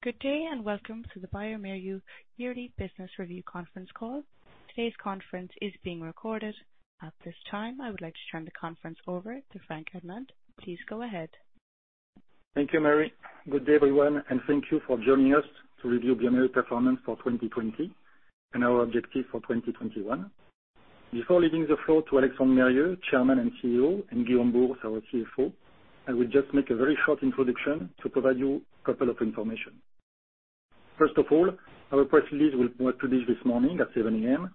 Good day, welcome to the bioMérieux yearly business review conference call. Today's conference is being recorded. At this time, I would like to turn the conference over to Franck Admant. Please go ahead. Thank you, Mary. Good day, everyone, and thank you for joining us to review bioMérieux performance for 2020 and our objective for 2021. Before leaving the floor to Alexandre Mérieux, Chairman and Chief Executive Officer, and Guillaume Bouhours, our CFO, I will just make a very short introduction to provide you couple of information. First of all, our press release will go out to this morning at 7:00 A.M.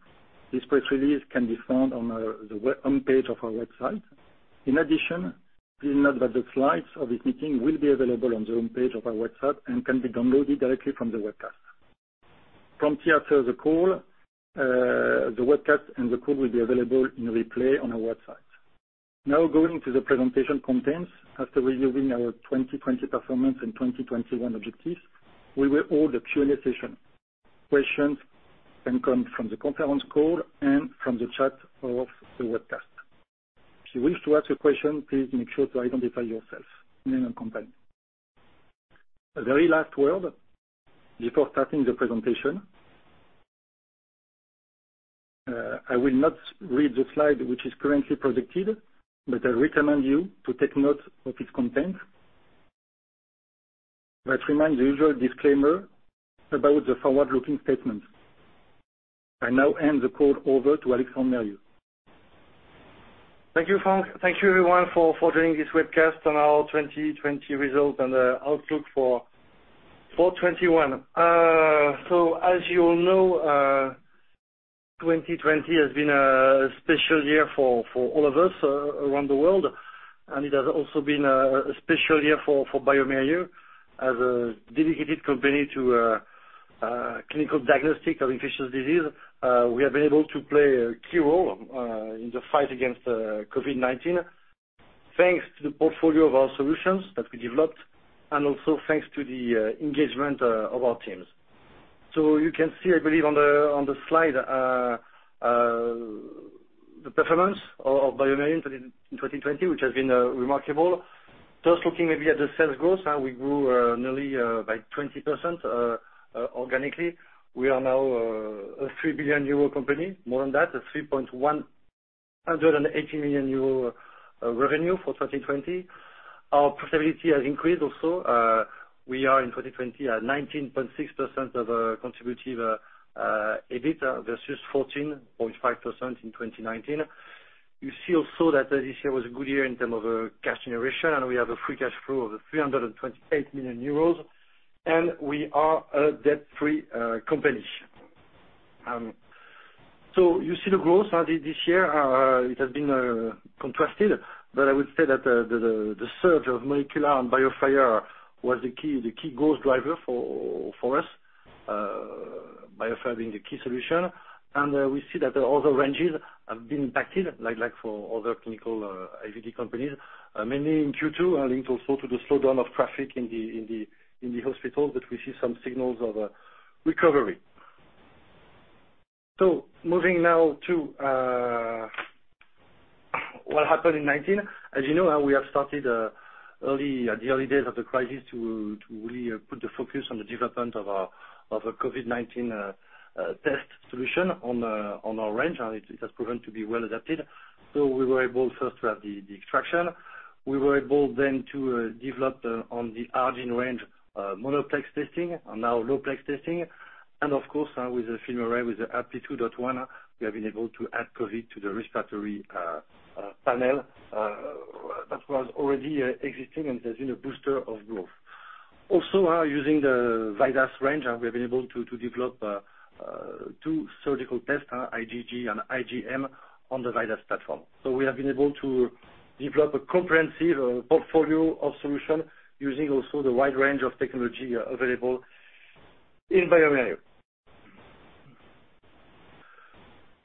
This press release can be found on the homepage of our website. In addition, please note that the slides of this meeting will be available on the homepage of our website and can be downloaded directly from the webcast. From here till the call, the webcast and the call will be available in replay on our website. Going to the presentation contents. After reviewing our 2020 performance and 2021 objectives, we will hold a Q and A session. Questions can come from the conference call and from the chat of the webcast. If you wish to ask a question, please make sure to identify yourself, name and company. A very last word before starting the presentation. I will not read the slide which is currently projected, but I recommend you to take note of its content that reminds the usual disclaimer about the forward-looking statement. I now hand the call over to Alexandre Mérieux. Thank you, Franck. Thank you, everyone, for joining this webcast on our 2020 results and the outlook for 2021. As you all know, 2020 has been a special year for all of us around the world, and it has also been a special year for bioMérieux. As a dedicated company to clinical diagnostic of infectious disease, we have been able to play a key role in the fight against COVID-19, thanks to the portfolio of our solutions that we developed and also thanks to the engagement of our teams. You can see, I believe, on the slide, the performance of bioMérieux in 2020, which has been remarkable. First, looking maybe at the sales growth. We grew nearly by 20% organically. We are now a 3 billion euro company. More than that, a 3.180 million euro revenue for 2020. Our profitability has increased also. We are in 2020 at 19.6% of contributive EBIT versus 14.5% in 2019. You see also that this year was a good year in terms of cash generation. We have a free cash flow of 328 million euros, and we are a debt-free company. You see the growth this year. It has been contrasted, I would say that the surge of molecular and BIOFIRE was the key growth driver for us, BIOFIRE being the key solution. We see that all the ranges have been impacted, like for other clinical IVD companies. Mainly in Q2, linked also to the slowdown of traffic in the hospitals, we see some signals of a recovery. Moving now to what happened in 2019. As you know, we have started at the early days of the crisis to really put the focus on the development of a COVID-19 test solution on our range, and it has proven to be well-adapted. We were able first to have the extraction. We were able then to develop on the ARGENE range, monoplex testing and now low-plex testing. Of course, now with the FILMARRAY, with the RP2.1, we have been able to add COVID to the respiratory panel that was already existing and has been a booster of growth. Using the VIDAS range, we have been able to develop two serological tests, IgG and IgM, on the VIDAS platform. We have been able to develop a comprehensive portfolio of solution using also the wide range of technology available in bioMérieux.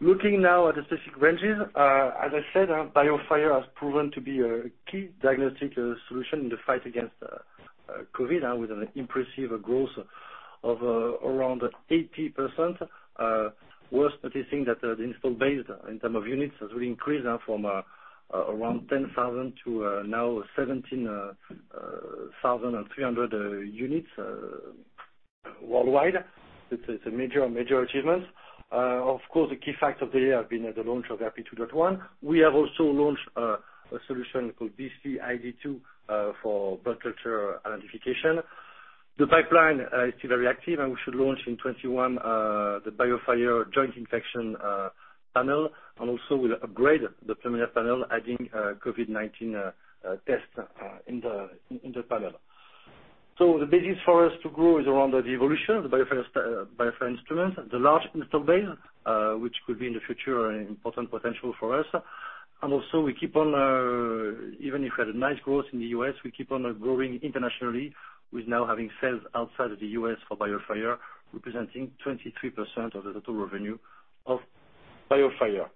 Looking now at the specific ranges. As I said, BIOFIRE has proven to be a key diagnostic solution in the fight against COVID, with an impressive growth of around 80%. We're noticing that the install base in term of units has really increased now from around 10,000 to now 17,300 units worldwide. It's a major achievement. The key facts of the year have been at the launch of RP 2.1. We have also launched a solution called BCID2 for blood culture identification. The pipeline is still very active, and we should launch in 2021 the BIOFIRE Joint Infection Panel, and also we'll upgrade the FILMARRAY panel adding COVID-19 test in the panel. The basis for us to grow is around the evolution of the BIOFIRE instruments, the large install base, which could be in the future an important potential for us. Even if we had a nice growth in the U.S., we keep on growing internationally with now having sales outside of the U.S. for BIOFIRE, representing 23% of the total revenue of BIOFIRE.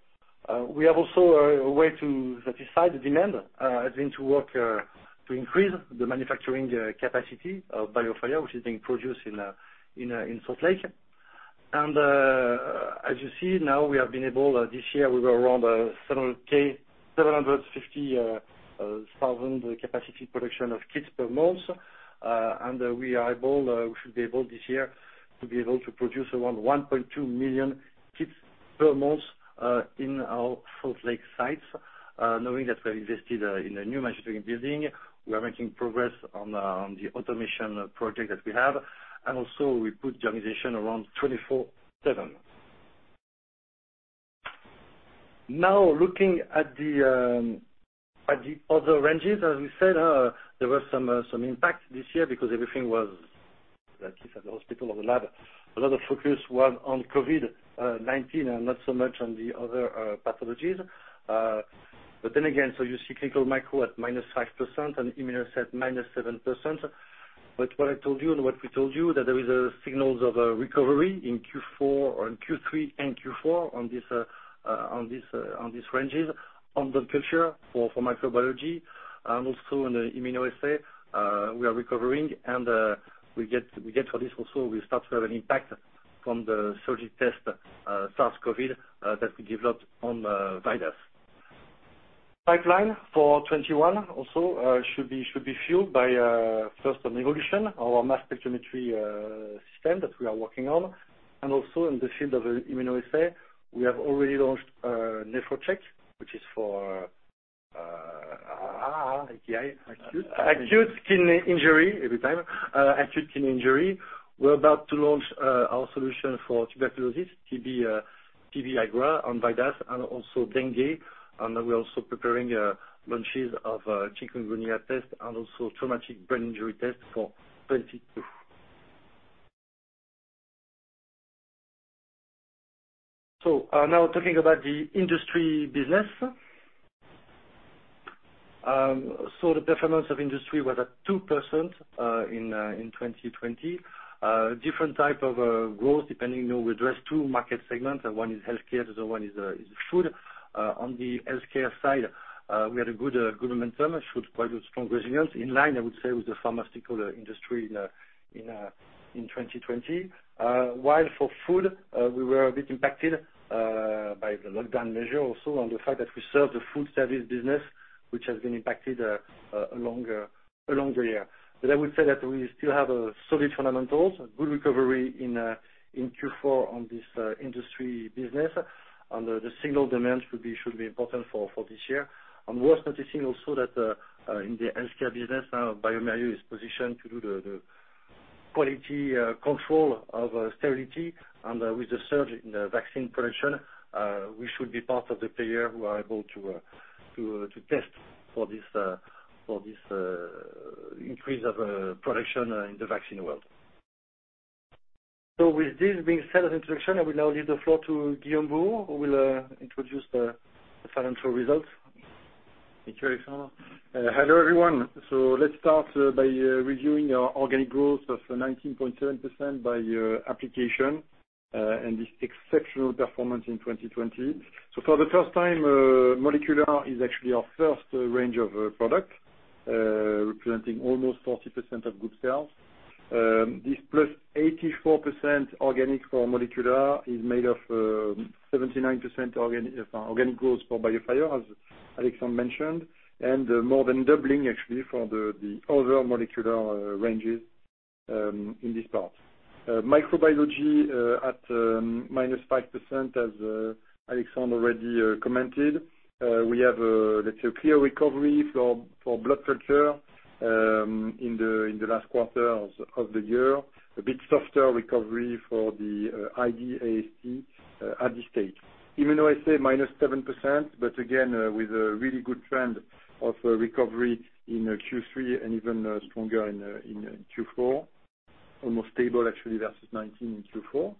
We have also a way to satisfy the demand, has been to work to increase the manufacturing capacity of BIOFIRE, which is being produced in Salt Lake. As you see now, we have been able this year, we were around 750,000 capacity production of kits per month. We should be able this year to produce around 1.2 million kits per month in our Salt Lake sites. Knowing that we are invested in a new manufacturing building, we are making progress on the automation project that we have, and also we put the organization around 24/7. Looking at the other ranges, as we said, there was some impact this year because everything was at least at the hospital or the lab. A lot of focus was on COVID-19 and not so much on the other pathologies. You see clinical micro at -5% and immunoassay at -7%. What I told you and what we told you, that there is a signal of a recovery in Q3 and Q4 on these ranges, on the culture for microbiology and also on the immunoassay. We are recovering, and we get for this also, we start to have an impact from the serology test starts COVID that we developed on VIDAS. Pipeline for 2021 or so should be fueled by first an evolution of our mass spectrometry system that we are working on. Also in the field of immunoassay, we have already launched NEPHROCHECK, which is for- AKI. Acute kidney injury, every time. Acute kidney injury. We're about to launch our solution for tuberculosis, TB-IGRA on VIDAS, and also dengue. We're also preparing launches of chikungunya test and also traumatic brain injury test for 2022. Now talking about the industry business. The performance of industry was at 2% in 2020. Different type of growth depending, we address two market segments. One is healthcare, the other one is food. On the healthcare side we had a good momentum, should quite a strong resilience in line, I would say, with the pharmaceutical industry in 2020. For food, we were a bit impacted by the lockdown measure also on the fact that we serve the food service business, which has been impacted along the year. I would say that we still have solid fundamentals, good recovery in Q4 on this industry business. The signal demands should be important for this year. Worth noticing also that in the healthcare business now, bioMérieux is positioned to do the quality control of sterility. With the surge in the vaccine production, we should be part of the player who are able to test for this increase of production in the vaccine world. With this being said as introduction, I will now leave the floor to Guillaume Bouhours, who will introduce the financial results. Thank you, Alexandre. Hello, everyone. Let's start by reviewing our organic growth of 19.7% by application, and this exceptional performance in 2020. For the first time, molecular is actually our first range of product, representing almost 40% of group sales. This +84% organic for molecular is made of 79% organic growth for bioMérieux, as Alexandre mentioned, and more than doubling actually for the other molecular ranges in this part. Microbiology at -5% as Alexandre already commented. We have, let's say, a clear recovery for blood culture in the last quarter of the year, a bit softer recovery for the ID/AST at this stage. Immunoassay -7%, but again, with a really good trend of recovery in Q3 and even stronger in Q4. Almost stable actually versus 2019 in Q4.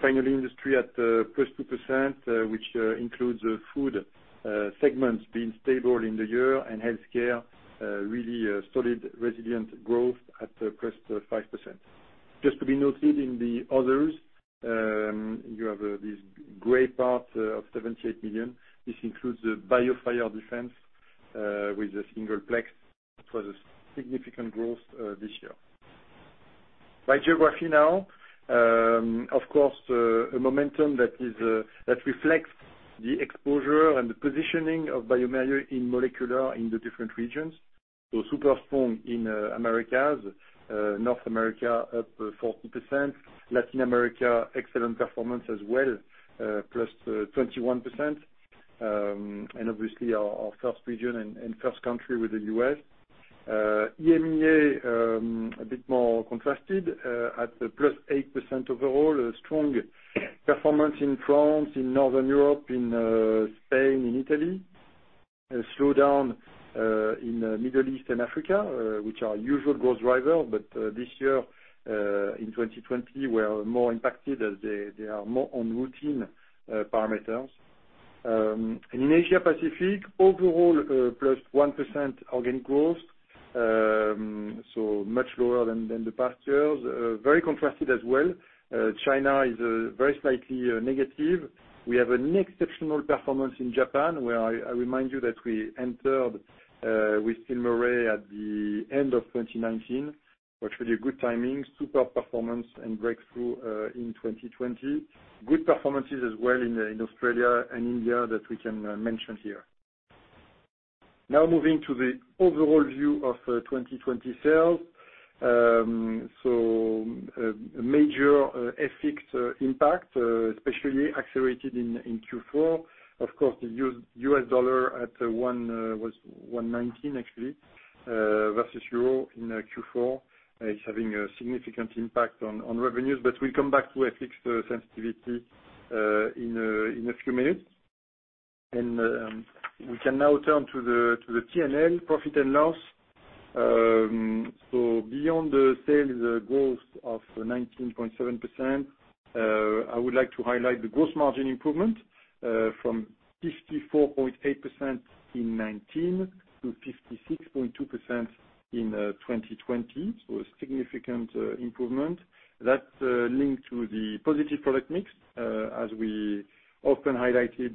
Finally, industry at +2%, which includes food segments being stable in the year and healthcare really solid, resilient growth at +5%. Just to be noted in the others, you have this gray part of 78 million. This includes the BIOFIRE Defense with the singleplex for the significant growth this year. By geography now, of course, a momentum that reflects the exposure and the positioning of bioMérieux in molecular in the different regions. Super strong in Americas, North America +40%, Latin America, excellent performance as well, +21%. Obviously our first region and first country with the U.S. EMEA, a bit more contrasted at +8% overall. Strong performance in France, in Northern Europe, in Spain, in Italy. A slowdown in Middle East and Africa, which are our usual growth driver. This year, in 2020, we are more impacted as they are more on routine parameters. In Asia Pacific, overall +1% organic growth. Much lower than the past years. Very contrasted as well. China is very slightly negative. We have an exceptional performance in Japan, where I remind you that we entered with FILMARRAY at the end of 2019, which was really good timing, super performance, and breakthrough in 2020. Good performances as well in Australia and India that we can mention here. Moving to the overall view of 2020 sales. A major FX impact, especially accelerated in Q4. Of course, the US dollar at one was 1.19 actually versus euro in Q4 is having a significant impact on revenues. We'll come back to FX sensitivity in a few minutes. We can now turn to the P&L, profit and loss. Beyond the sales growth of 19.7%, I would like to highlight the gross margin improvement from 54.8% in 2019 to 56.2% in 2020. A significant improvement. That's linked to the positive product mix as we often highlighted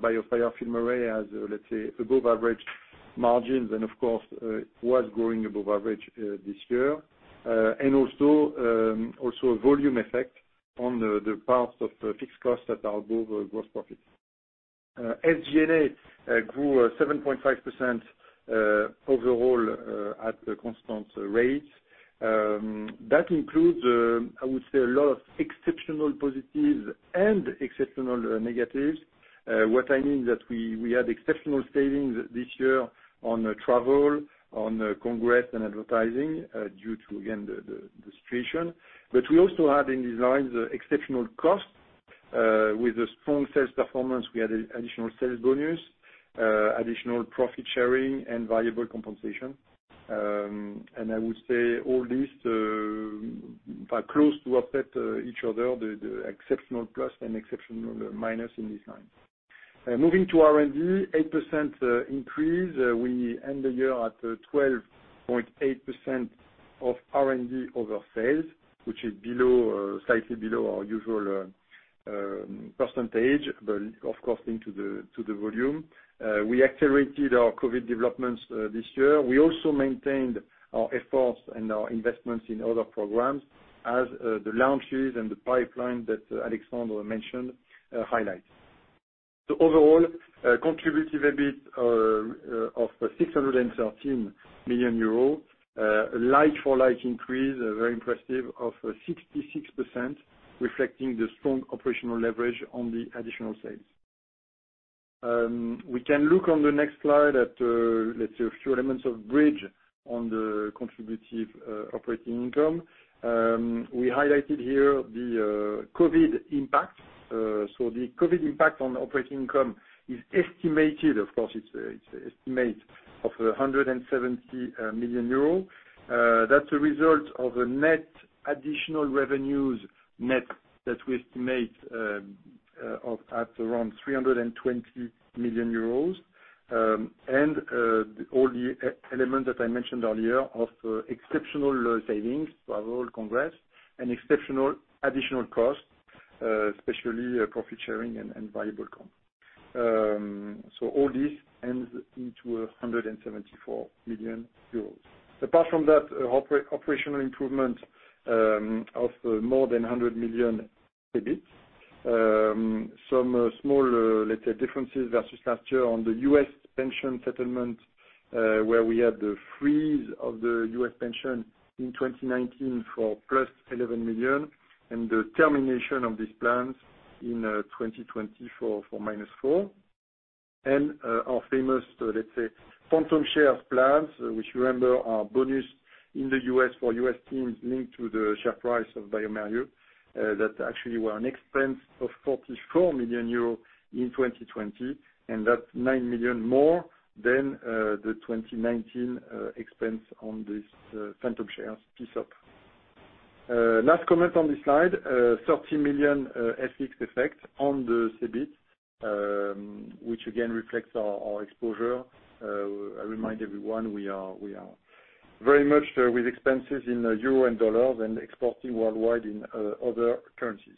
BIOFIRE FILMARRAY has, let's say, above-average margins, and of course, was growing above average this year. Also a volume effect on the part of fixed costs that are above gross profits. SG&A grew 7.5% overall at constant rates. That includes, I would say, a lot of exceptional positives and exceptional negatives. What I mean is that we had exceptional savings this year on travel, on congress, and advertising, due to, again, the situation. We also had in these lines exceptional costs. With a strong sales performance, we had additional sales bonus, additional profit sharing, and variable compensation. I would say all this are close to offset each other, the exceptional plus and exceptional minus in these lines. Moving to R&D, 8% increase. We end the year at 12.8% of R&D over sales, which is slightly below our usual percentage, but of course, linked to the volume. We accelerated our COVID developments this year. We also maintained our efforts and our investments in other programs as the launches and the pipeline that Alexandre mentioned highlight. Overall, contributive EBIT of 613 million euros, like-for-like increase, very impressive, of 66%, reflecting the strong operational leverage on the additional sales. We can look on the next slide at, let's say, a few elements of bridge on the contributive operating income. We highlighted here the COVID impact. The COVID impact on operating income is estimated, of course, it's estimated of 170 million euros. That's a result of a net additional revenues net that we estimate at around 320 million euros. All the elements that I mentioned earlier of exceptional savings, travel, congress, and exceptional additional costs, especially profit sharing and variable comp. All this ends into 174 million euros. Apart from that operational improvement of more than 100 million EBIT. Some small, let's say, differences versus last year on the U.S. pension settlement, where we had the freeze of the U.S. pension in 2019 for +11 million, and the termination of these plans in 2024 -4 million. Our famous, let's say, Phantom shares plans, which remember, are bonus in the U.S. for U.S. teams linked to the share price of bioMérieux. That actually were an expense of 44 million euros in 2020, and that's 9 million more than the 2019 expense on this Phantom shares piece. Last comment on this slide, 30 million FX effect on the CEBIT, which again reflects our exposure. I remind everyone, we are very much with expenses in euro and dollar and exporting worldwide in other currencies.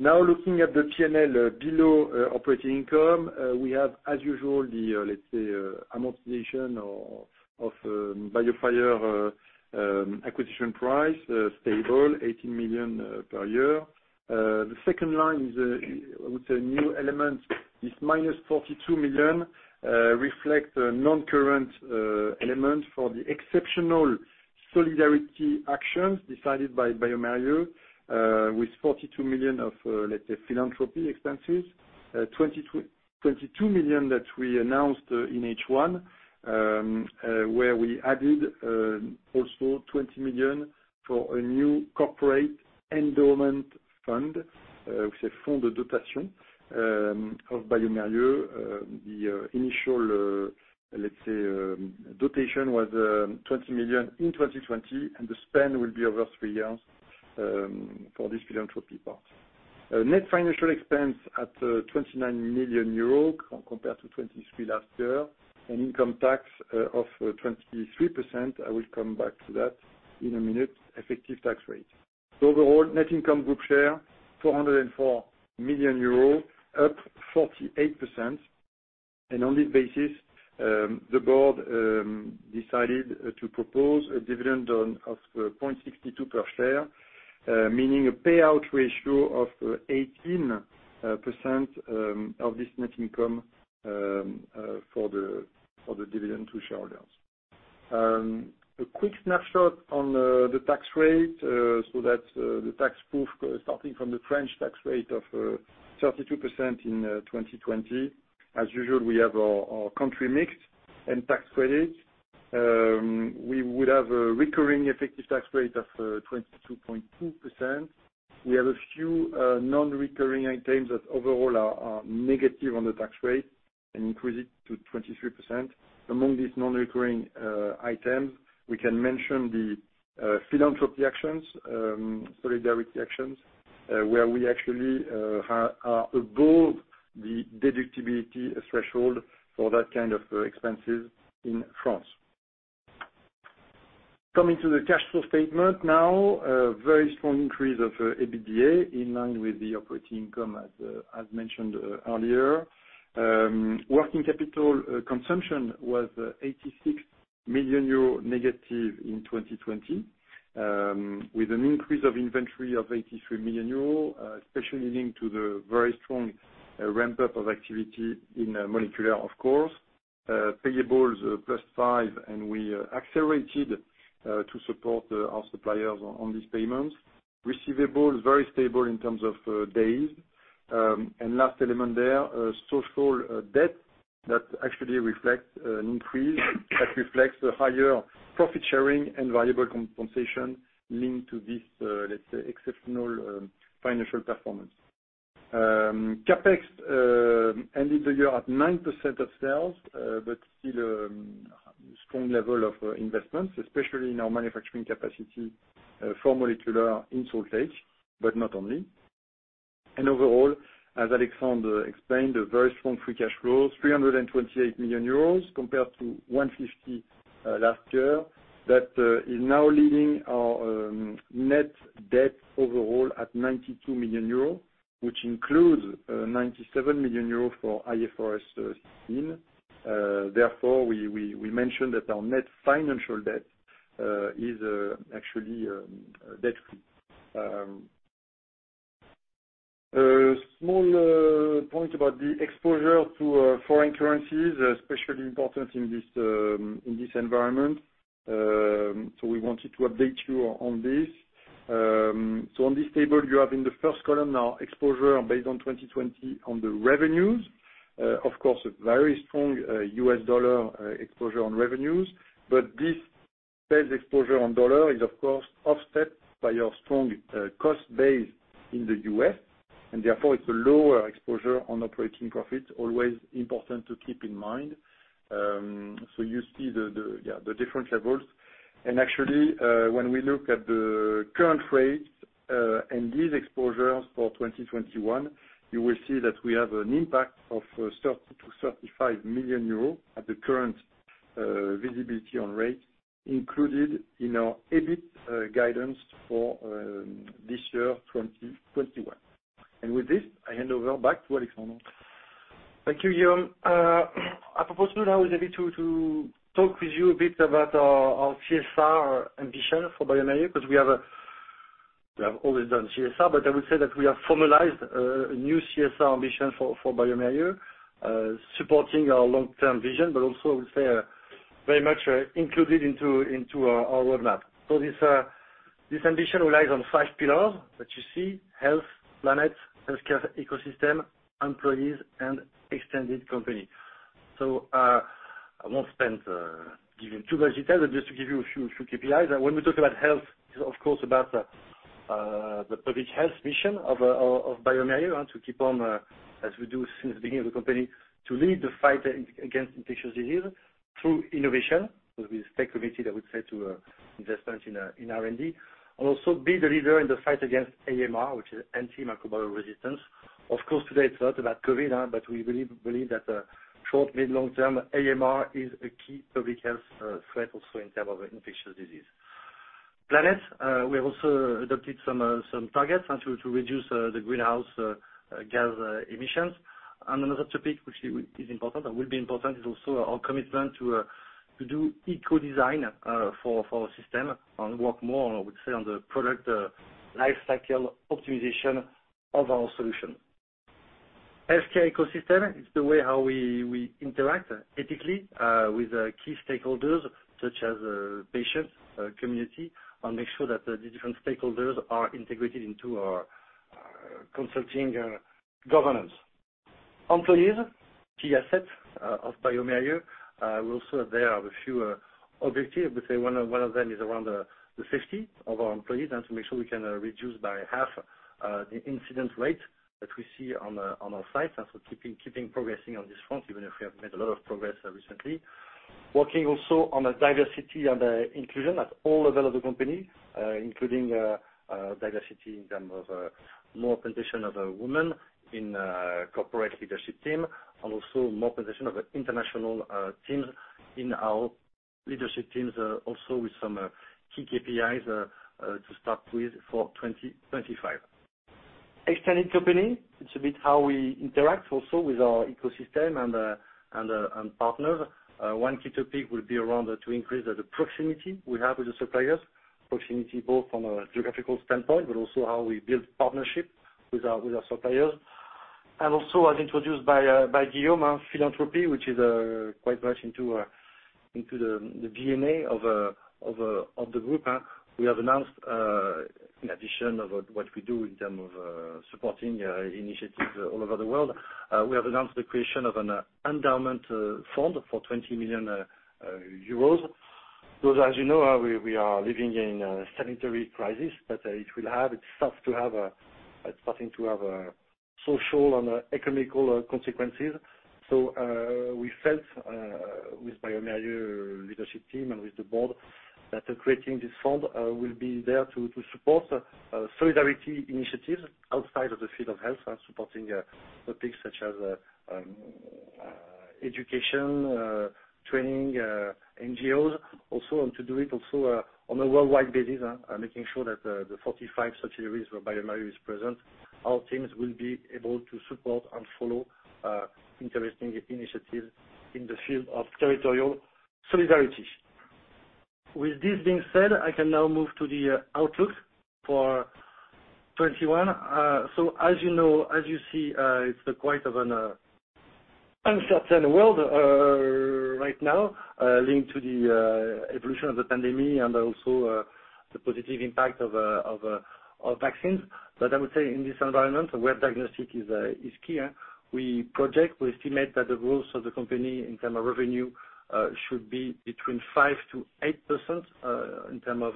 Now looking at the P&L below operating income, we have, as usual, let's say, amortization of BIOFIRE acquisition price, stable, 18 million per year. The second line is, I would say, new element, this -42 million reflects a non-current element for the exceptional solidarity actions decided by bioMérieux with 42 million of, let's say, philanthropy expenses, 22 million that we announced in H1, where we added also 20 million for a new corporate endowment fund, let's say, fond de dotation, of bioMérieux. The initial, let's say, donation was 20 million in 2020. The spend will be over three years for this philanthropy part. Net financial expense at 29 million euros compared to 23 million last year. Income tax of 23%. I will come back to that in a minute, effective tax rate. Overall, net income group share 404 million euros, up 48%. On this basis, the board decided to propose a dividend of 0.62 per share, meaning a payout ratio of 18% of this net income for the dividend to shareholders. A quick snapshot on the tax rate, that's the tax proof starting from the French tax rate of 32% in 2020. As usual, we have our country mix and tax credits. We would have a recurring effective tax rate of 22.2%. We have a few non-recurring items that overall are negative on the tax rate and increase it to 23%. Among these non-recurring items, we can mention the philanthropy actions, solidarity actions, where we actually are above the deductibility threshold for that kind of expenses in France. Coming to the cash flow statement now, a very strong increase of EBITDA in line with the operating income as mentioned earlier. Working capital consumption was -86 million euro in 2020, with an increase of inventory of 83 million euro, especially linked to the very strong ramp-up of activity in molecular, of course. Payables +5 million. We accelerated to support our suppliers on these payments. Receivables, very stable in terms of days. Last element there, social debt, that actually reflects an increase, that reflects the higher profit sharing and variable compensation linked to this, let's say, exceptional financial performance. CapEx ended the year at 9% of sales, but still a strong level of investments, especially in our manufacturing capacity for molecular in Salt Lake, but not only. Overall, as Alexandre explained, a very strong free cash flow, 328 million euros compared to 150 million last year. That is now leaving our net debt overall at 92 million euros, which includes 97 million euros for IFRS 16. Therefore, we mentioned that our net financial debt is actually debt-free. A small point about the exposure to foreign currencies, especially important in this environment. We wanted to update you on this. On this table, you have in the first column our exposure based on 2020 on the revenues. A very strong U.S. dollar exposure on revenues, but this sales exposure on U..S dollar is, of course, offset by our strong cost base in the U.S., therefore it's a lower exposure on operating profit, always important to keep in mind. You see the different levels. Actually, when we look at the current rates and these exposures for 2021, you will see that we have an impact of 30 million-35 million euros at the current visibility on rates included in our EBIT guidance for this year, 2021. With this, I hand over back to Alexandre. Thank you, Guillaume. I propose to now is able to talk with you a bit about our CSR ambition for bioMérieux, because we have always done CSR, but I would say that we have formalized a new CSR ambition for bioMérieux, supporting our long-term vision, but also I would say are very much included into our roadmap. This ambition relies on side panel that you see, health, planet, healthcare ecosystem, employees, and extended company. I won't give you too much detail, but just to give you a few KPIs. When we talk about health, it's of course about the public health mission of bioMérieux to keep on, as we do since the beginning of the company, to lead the fight against infectious disease through innovation, with this tech committee, I would say, to investment in R&D, and also be the leader in the fight against AMR, which is antimicrobial resistance. Of course, today it's a lot about COVID, but we believe that short, mid, long-term AMR is a key public health threat also in terms of infectious disease. Planet, we have also adopted some targets to reduce the greenhouse gas emissions. Another topic which is important and will be important is also our commitment to do eco design for our system and work more on, I would say, on the product life cycle optimization of our solution. Healthcare ecosystem is the way how we interact ethically with key stakeholders such as patient community, and make sure that the different stakeholders are integrated into our consulting governance. Employees, key asset of bioMérieux. Also there are a few objectives. I would say one of them is around the safety of our employees, and to make sure we can reduce by half the incident rate that we see on our sites, and so keeping progressing on this front, even if we have made a lot of progress recently. Working also on diversity and inclusion at all levels of the company, including diversity in terms of more position of women in corporate leadership team, and also more position of international teams in our leadership teams, also with some key KPIs to start with for 2025. Extended company, it's a bit how we interact also with our ecosystem and partners. One key topic will be around to increase the proximity we have with the suppliers, proximity both from a geographical standpoint, but also how we build partnership with our suppliers. Also, as introduced by Guillaume, philanthropy, which is quite much into the DNA of the group. We have announced, in addition of what we do in terms of supporting initiatives all over the world, we have announced the creation of an endowment fund for 20 million euros. As you know, we are living in a sanitary crisis, but it's starting to have social and economic consequences. We felt, with bioMérieux leadership team and with the board, that creating this fund will be there to support solidarity initiatives outside of the field of health and supporting topics such as education, training, NGOs, and to do it also on a worldwide basis, making sure that the 45 subsidiaries where bioMérieux is present, our teams will be able to support and follow interesting initiatives in the field of territorial solidarity. With this being said, I can now move to the outlook for 2021. As you see, it's quite of an uncertain world right now, linked to the evolution of the pandemic and also the positive impact of vaccines. I would say in this environment, where diagnostic is key, we project, we estimate that the growth of the company in term of revenue should be between 5%-8% in term of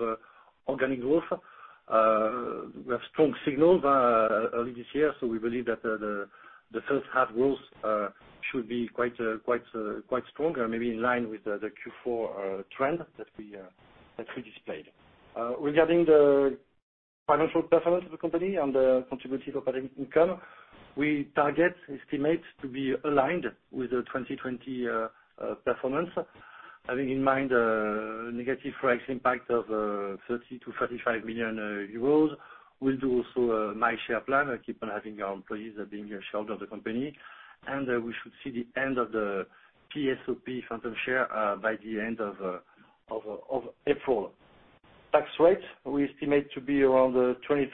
organic growth. We have strong signals early this year, so we believe that the first half growth should be quite strong, maybe in line with the Q4 trend that we displayed. Regarding the financial performance of the company and the contribution to operating income, we target estimates to be aligned with the 2020 performance. Having in mind a negative FX impact of 30 million-35 million euros. We will do also MyShare plan, keep on having our employees being shareholder of the company. We should see the end of the PSOP Phantom share by the end of April. Tax rate, we estimate to be around 23%, and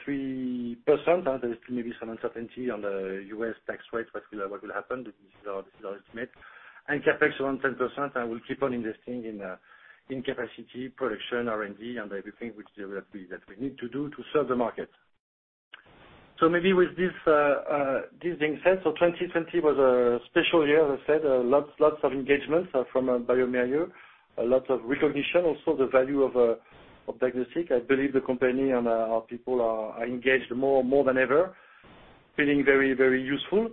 there is still maybe some uncertainty on the U.S. tax rate, what will happen. This is our estimate. CapEx around 10%, and we will keep on investing in capacity production, R&D, and everything which there will be that we need to do to serve the market. Maybe with this being said, 2020 was a special year, as I said, lots of engagement from bioMérieux. Lots of recognition, also the value of diagnostic. I believe the company and our people are engaged more than ever, feeling very useful.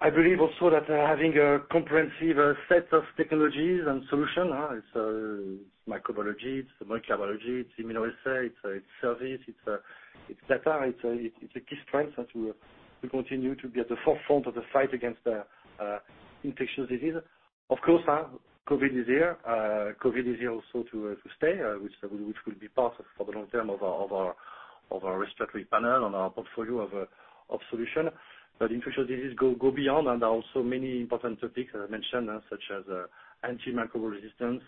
I believe also that having a comprehensive set of technologies and solution, it's microbiology, it's molecular biology, it's immunoassay, it's service, it's data, it's a key strength to continue to be at the forefront of the fight against infectious disease. Of course, COVID is here. COVID is here also to stay, which will be part of, for the long term, of our restricted panel and our portfolio of solution. Infectious disease go beyond, and there are also many important topics, as I mentioned, such as antimicrobial resistance,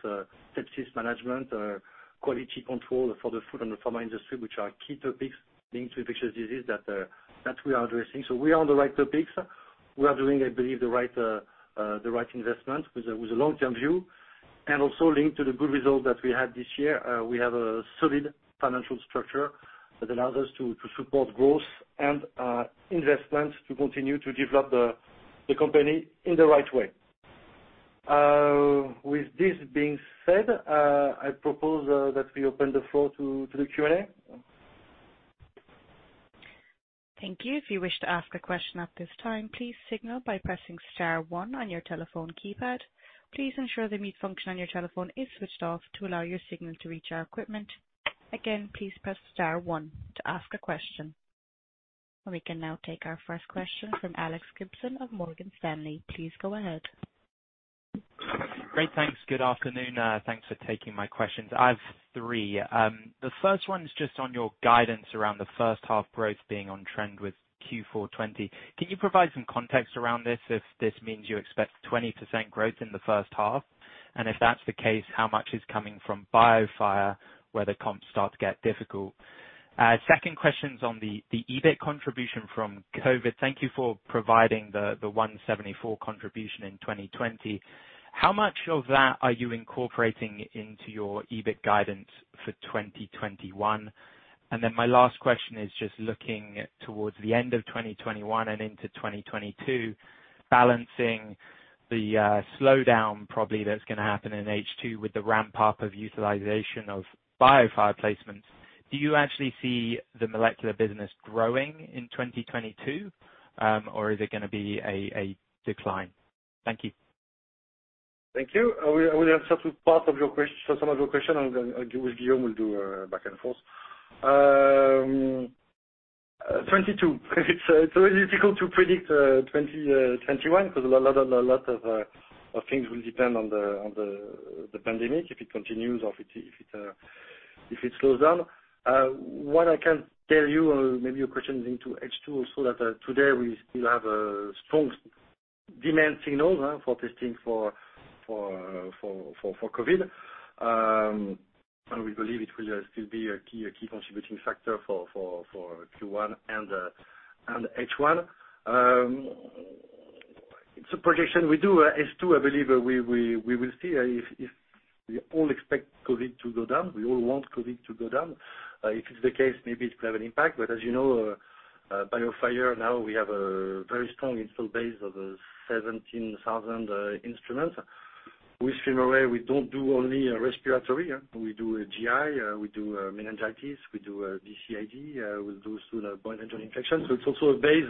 sepsis management, quality control for the food and the pharma industry, which are key topics linked to infectious disease that we are addressing. We are on the right topics. We are doing, I believe, the right investment with a long-term view. Also linked to the good result that we had this year, we have a solid financial structure that allows us to support growth and investments to continue to develop the company in the right way. With this being said, I propose that we open the floor to the Q and A. Thank you. If you wish to ask a question at this time, please signal by pressing star one on your telephone keypad. Please ensure the mute function on your telephone is switched off to allow your signal to reach our equipment. Again, please press star one to ask a question. We can now take our first question from Alex Gibson of Morgan Stanley. Please go ahead. Great. Thanks. Good afternoon. Thanks for taking my questions. I've three. The first one is just on your guidance around the first half growth being on trend with Q4 2020. Can you provide some context around this, if this means you expect 20% growth in the first half? If that's the case, how much is coming from BIOFIRE, where the comps start to get difficult? Second question is on the EBIT contribution from COVID. Thank you for providing the 174 contribution in 2020. How much of that are you incorporating into your EBIT guidance for 2021? My last question is just looking towards the end of 2021 and into 2022, balancing the slowdown probably that's going to happen in H2 with the ramp-up of utilization of BIOFIRE placements. Do you actually see the molecular business growing in 2022? Is it going to be a decline? Thank you. Thank you. I will answer some of your questions, and with Guillaume, we'll do a back and forth. 2022, it's really difficult to predict 2021 because a lot of things will depend on the pandemic, if it continues or if it slows down. What I can tell you, maybe your question is into H2 also, that today we still have a strong demand signal for testing for COVID. We believe it will still be a key contributing factor for Q1 and H1. It's a projection we do. H2, I believe, we will see. We all expect COVID to go down. We all want COVID to go down. If it's the case, maybe it will have an impact. As you know, BIOFIRE, now we have a very strong installed base of 17,000 instruments. With FILMARRAY, we don't do only respiratory. We do GI, we do meningitis, we do BCID, we'll do soon brinjal infection. It's also a base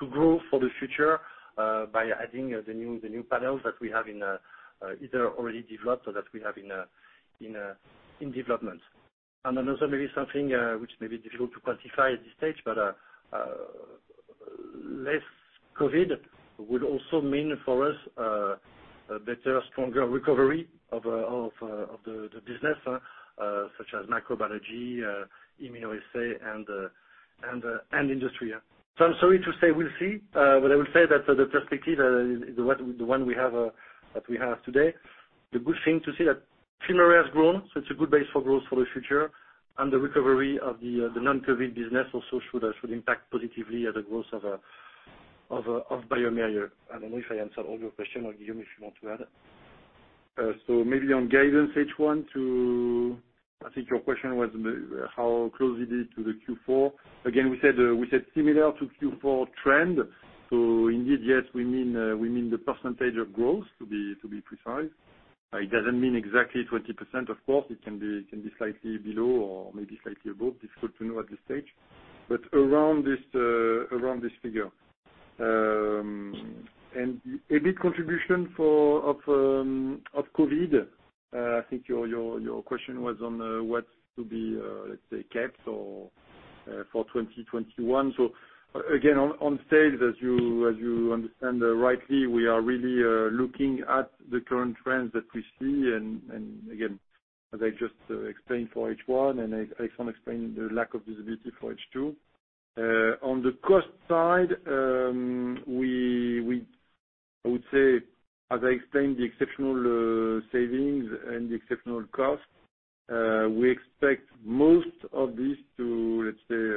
to grow for the future, by adding the new panels that we have, either already developed or that we have in development. Another maybe something which may be difficult to quantify at this stage, but less COVID would also mean for us, a better, stronger recovery of the business, such as microbiology, immunoassay and industry. I'm sorry to say, we'll see. I will say that the perspective, the one we have today, the good thing to see that FILMARRAY has grown, so it's a good base for growth for the future. The recovery of the non-COVID business also should impact positively the growth of bioMérieux. I don't know if I answered all your question, or Guillaume, if you want to add. On guidance, I think your question was how close it is to the Q4. We said similar to Q4 trend. We mean the percentage of growth, to be precise. It doesn't mean exactly 20%, of course, it can be slightly below or maybe slightly above. Difficult to know at this stage. Around this figure. EBIT contribution of COVID-19, I think your question was on what to be, let's say, kept for 2021. On sales, as you understand rightly, we are really looking at the current trends that we see. As I just explained for H1, and as Alexandre explained, the lack of visibility for H2. On the cost side, I would say, as I explained, the exceptional savings and the exceptional costs, we expect most of this to, let's say,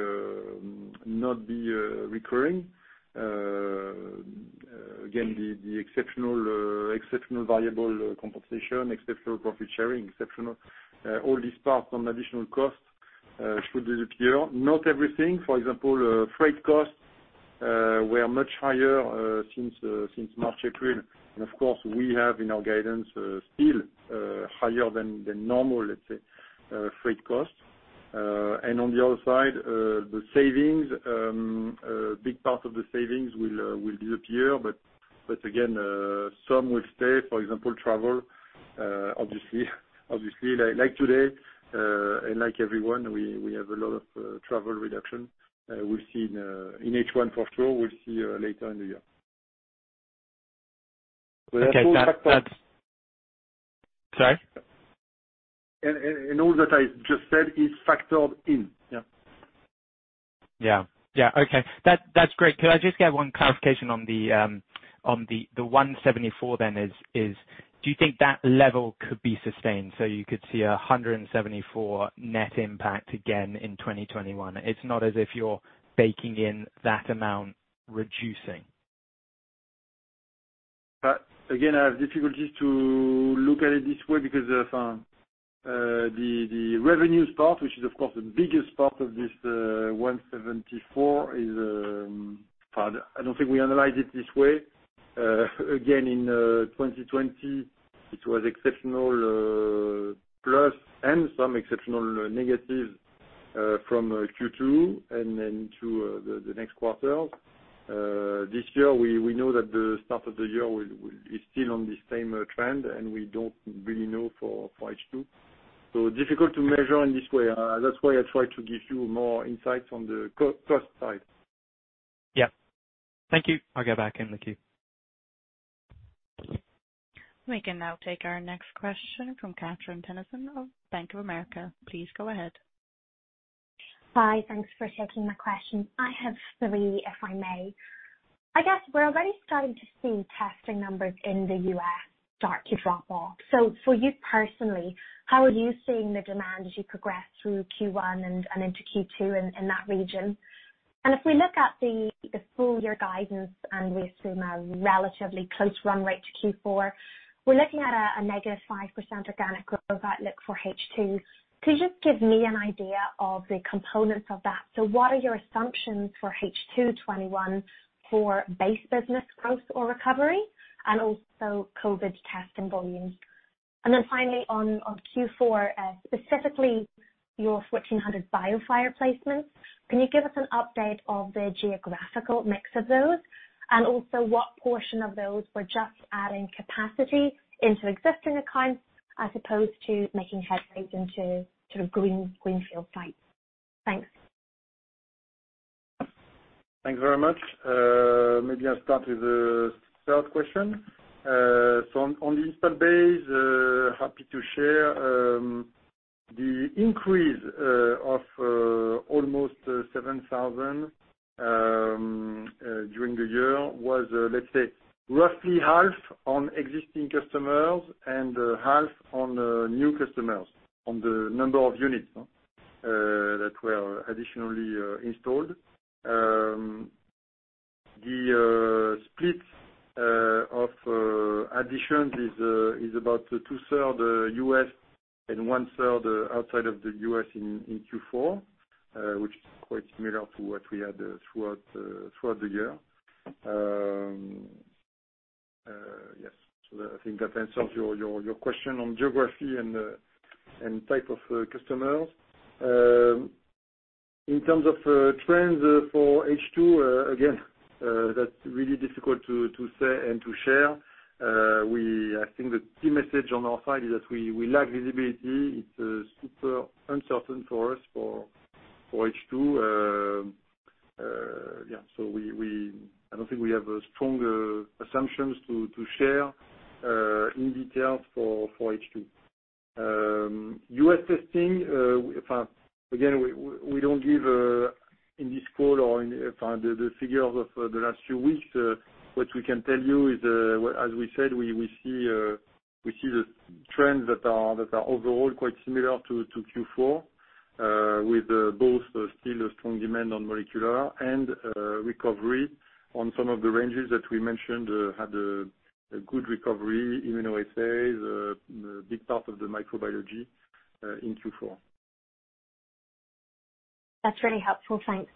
not be recurring. The exceptional variable compensation, exceptional profit sharing, all these parts on additional costs should disappear. Not everything. For example, freight costs were much higher since March, April, of course, we have in our guidance still higher than normal, let's say, freight costs. On the other side, the savings a big part of the savings will disappear. Again, some will stay, for example, travel obviously like today, like everyone, we have a lot of travel reduction. We'll see in H1 for sure. We'll see later in the year. Okay, Sorry? All that I just said is factored in. Yeah. Yeah. Okay. That's great. Could I just get one clarification on the 174 million, do you think that level could be sustained, so you could see 174 million net impact again in 2021? It's not as if you're baking in that amount reducing. Again, I have difficulties to look at it this way because of the revenue part, which is, of course, the biggest part of this, 174 million. I don't think we analyze it this way. Again, in 2020, it was exceptional plus, and some exceptional negatives from Q2, and then to the next quarters. This year, we know that the start of the year is still on the same trend, and we don't really know for H2. Difficult to measure in this way. That's why I try to give you more insights on the cost side. Yeah. Thank you. I'll go back in the queue. We can now take our next question from Catherine Tennyson of Bank of America. Please go ahead. Hi. Thanks for taking my question. I have three, if I may. I guess we're already starting to see testing numbers in the U.S. start to drop off. For you personally, how are you seeing the demand as you progress through Q1 and into Q2 in that region? If we look at the full-year guidance, and we assume a relatively close run rate to Q4, we're looking at a -5% organic growth outlook for H2. Could you just give me an idea of the components of that? What are your assumptions for H2 2021 for base business growth or recovery, and also COVID testing volumes? Finally on Q4, specifically your 1,400 BIOFIRE placements, can you give us an update of the geographical mix of those? Also what portion of those were just adding capacity into existing accounts as opposed to making headways into greenfield sites? Thanks. Thanks very much. On the install base, happy to share. The increase of almost 7,000 during the year was, let's say, roughly half on existing customers and half on new customers on the number of units that were additionally installed. The split of additions is about 2/3 U.S. and 1/3 outside of the U.S. in Q4, which is quite similar to what we had throughout the year. Yes. I think that answers your question on geography and type of customers. In terms of trends for H2, again, that's really difficult to say and to share. I think the key message on our side is that we lack visibility. It's super uncertain for us for H2. Yeah. I don't think we have strong assumptions to share in details for H2. U.S. testing, again, we don't give in this call or the figures of the last few weeks. What we can tell you is, as we said, we see the trends that are overall quite similar to Q4, with both still a strong demand on molecular and recovery on some of the ranges that we mentioned had a good recovery, immunoassay, big part of the microbiology in Q4. That's really helpful. Thanks.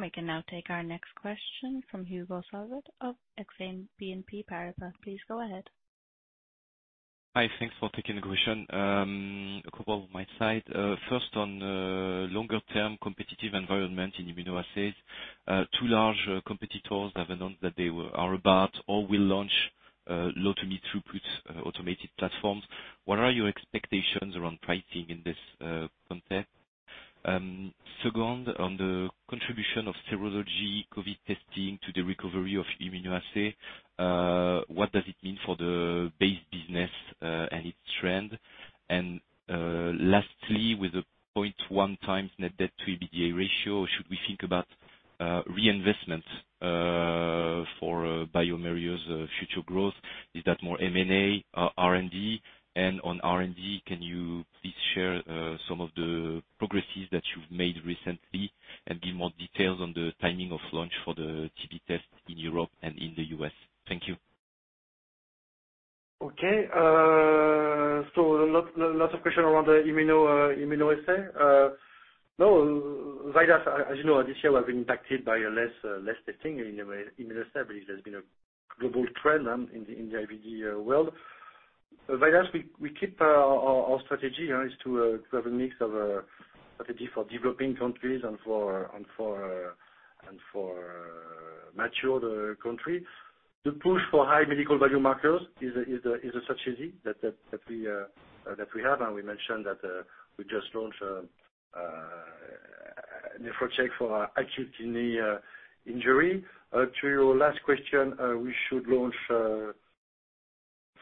We can now take our next question from Hugo Solvet of Exane BNP Paribas. Please go ahead. Hi. Thanks for taking the question. A couple of my side. On longer term competitive environment in immunoassays, two large competitors have announced that they are about or will launch low to mid throughput automated platforms. What are your expectations around pricing in this context? On the contribution of serology COVID testing to the recovery of immunoassay, what does it mean for the base business and its trend? Lastly, with a 0.1x net debt to EBITDA ratio, should we think about reinvestment for bioMérieux's future growth? Is that more M&A or R&D? On R&D, can you please share some of the progresses that you've made recently and give more details on the timing of launch for the TB test in Europe and in the U.S.? Thank you. Lots of question around the immunoassay. VIDAS, as you know, this year was impacted by less testing in immunoassay. I believe there's been a global trend in the IVD world. VIDAS, our strategy is to have a mix of strategy for developing countries and for mature country. The push for high medical value markers is a strategy that we have, and we mentioned that we just launched NEPHROCHECK for acute kidney injury. To your last question, we should launch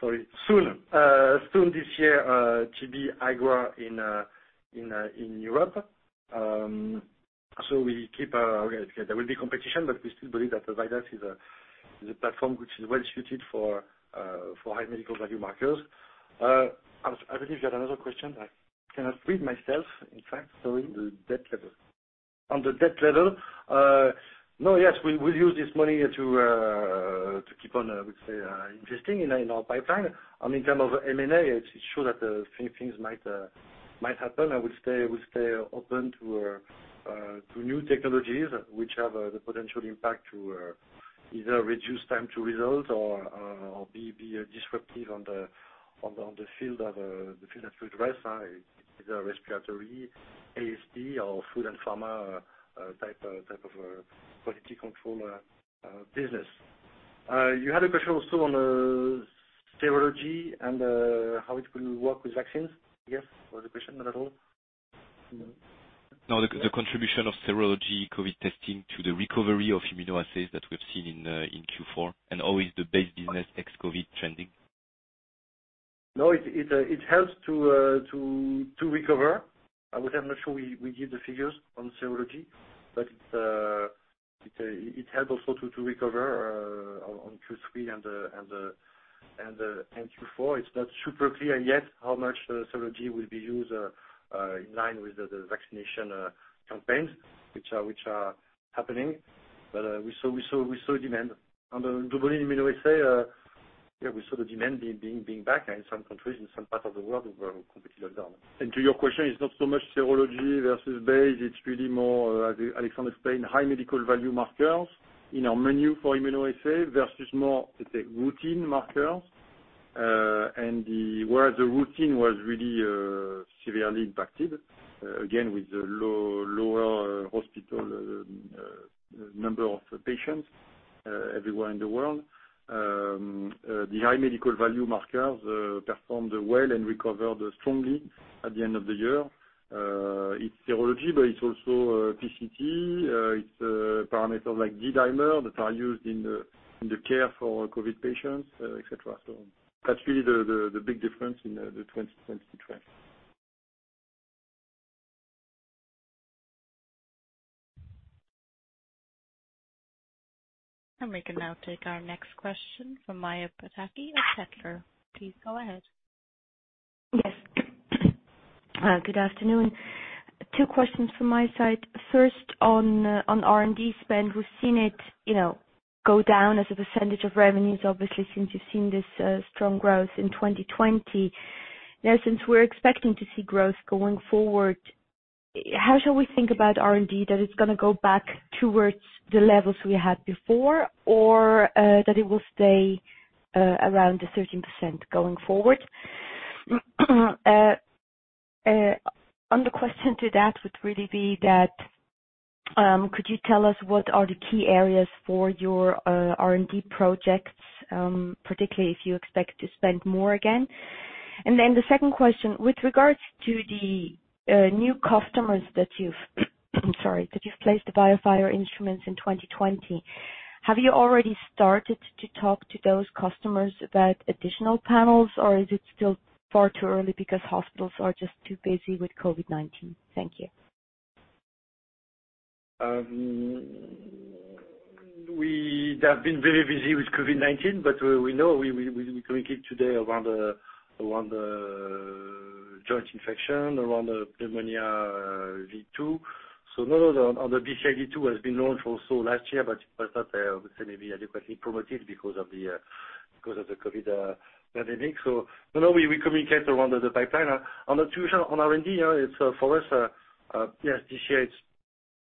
soon this year, TB-IGRA in Europe. There will be competition, but we still believe that the VIDAS is a platform which is well suited for high medical value markers. I believe you had another question that I cannot read myself, in fact, sorry. The debt level. On the debt level. Yes, we'll use this money to keep on, I would say, investing in our pipeline. In term of M&A, it's sure that things might happen. I would stay open to new technologies which have the potential impact to either reduce time to result or be disruptive on the field that we address, either respiratory, AST or food and pharma type of a quality control business. You had a question also on serology and how it will work with vaccines. Yes? Was the question, or not at all? The contribution of serology COVID testing to the recovery of immunoassays that we've seen in Q4, and how is the base business ex-COVID trending? No, it helps to recover. I would say I'm not sure we give the figures on serology, it helps also to recover on Q3 and Q4. It's not super clear yet how much serology will be used in line with the vaccination campaigns which are happening. We saw demand. On the double immunoassay, yeah, we saw the demand being back in some countries, in some parts of the world where COVID has gone. To your question, it's not so much serology versus base. It's really more, as Alexandre explained, high medical value markers in our menu for immunoassay versus more, let's say, routine markers. Whereas the routine was really severely impacted, again with the lower hospital number of patients everywhere in the world. The high medical value markers performed well and recovered strongly at the end of the year. It's serology, but it's also PCT. It's a parameter like D-dimer that are used in the care for COVID patients, et cetera. That's really the big difference in the 2020 trend. We can now take our next question from Maja Pataki of Kepler. Please go ahead. Yes. Good afternoon. Two questions from my side. First, on R&D spend. We've seen it go down as a percentage of revenues, obviously, since you've seen this strong growth in 2020. Since we're expecting to see growth going forward, how shall we think about R&D? That it's going to go back towards the levels we had before, or that it will stay around the 13% going forward? And the question to that would really be that, could you tell us what are the key areas for your R&D projects, particularly if you expect to spend more again? The second question, with regards to the new customers that you've placed the BIOFIRE instruments in 2020, have you already started to talk to those customers about additional panels, or is it still far too early because hospitals are just too busy with COVID-19? Thank you. They have been very busy with COVID-19. We know we communicate today around the joint infection, around the pneumonia V2. The BCID2 has been known for last year. It was not, I would say, maybe adequately promoted because of the COVID pandemic. So no, we communicate around the pipeline. On to the R&D, it's for us, yes, this year it's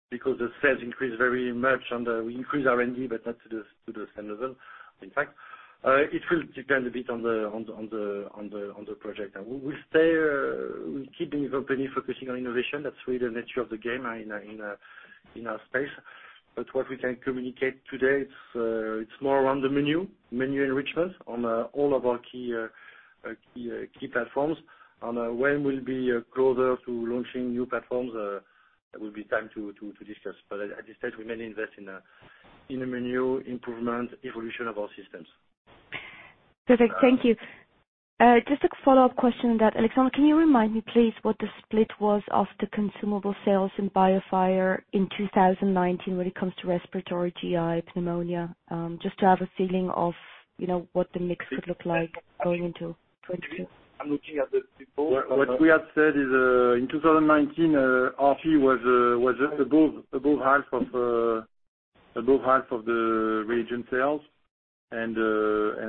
because the sales increased very much and we increased R&D. Not to the same level. In fact, it will depend a bit on the project. We'll keep the company focusing on innovation. That's really the nature of the game in our space. What we can communicate today, it's more around the menu enrichment on all of our key platforms. When we'll be closer to launching new platforms, it will be time to discuss. At this stage, we mainly invest in a menu improvement, evolution of our systems. Perfect. Thank you. Just a follow-up question on that. Alexandre, can you remind me, please, what the split was of the consumable sales in BIOFIRE in 2019 when it comes to respiratory, GI, pneumonia? Just to have a feeling of what the mix could look like going into 2022. I'm looking at the report. What we have said is in 2019, RP was just above half of the reagent sales.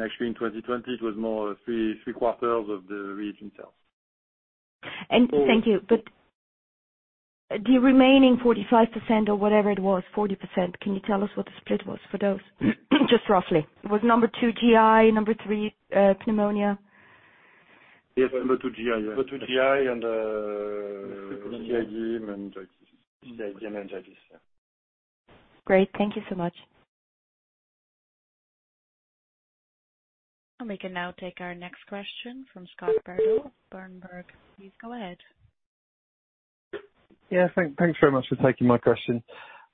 Actually in 2020, it was more three quarters of the reagent sales. Thank you. The remaining 45% or whatever it was, 40%, can you tell us what the split was for those? Just roughly. It was number two GI, number three pneumonia? Yes, number two GI. Number two, GI and meningitis. Meningitis, yeah. Great. Thank you so much. We can now take our next question from Scott Bardo, Berenberg. Please go ahead. Yeah, thanks very much for taking my question.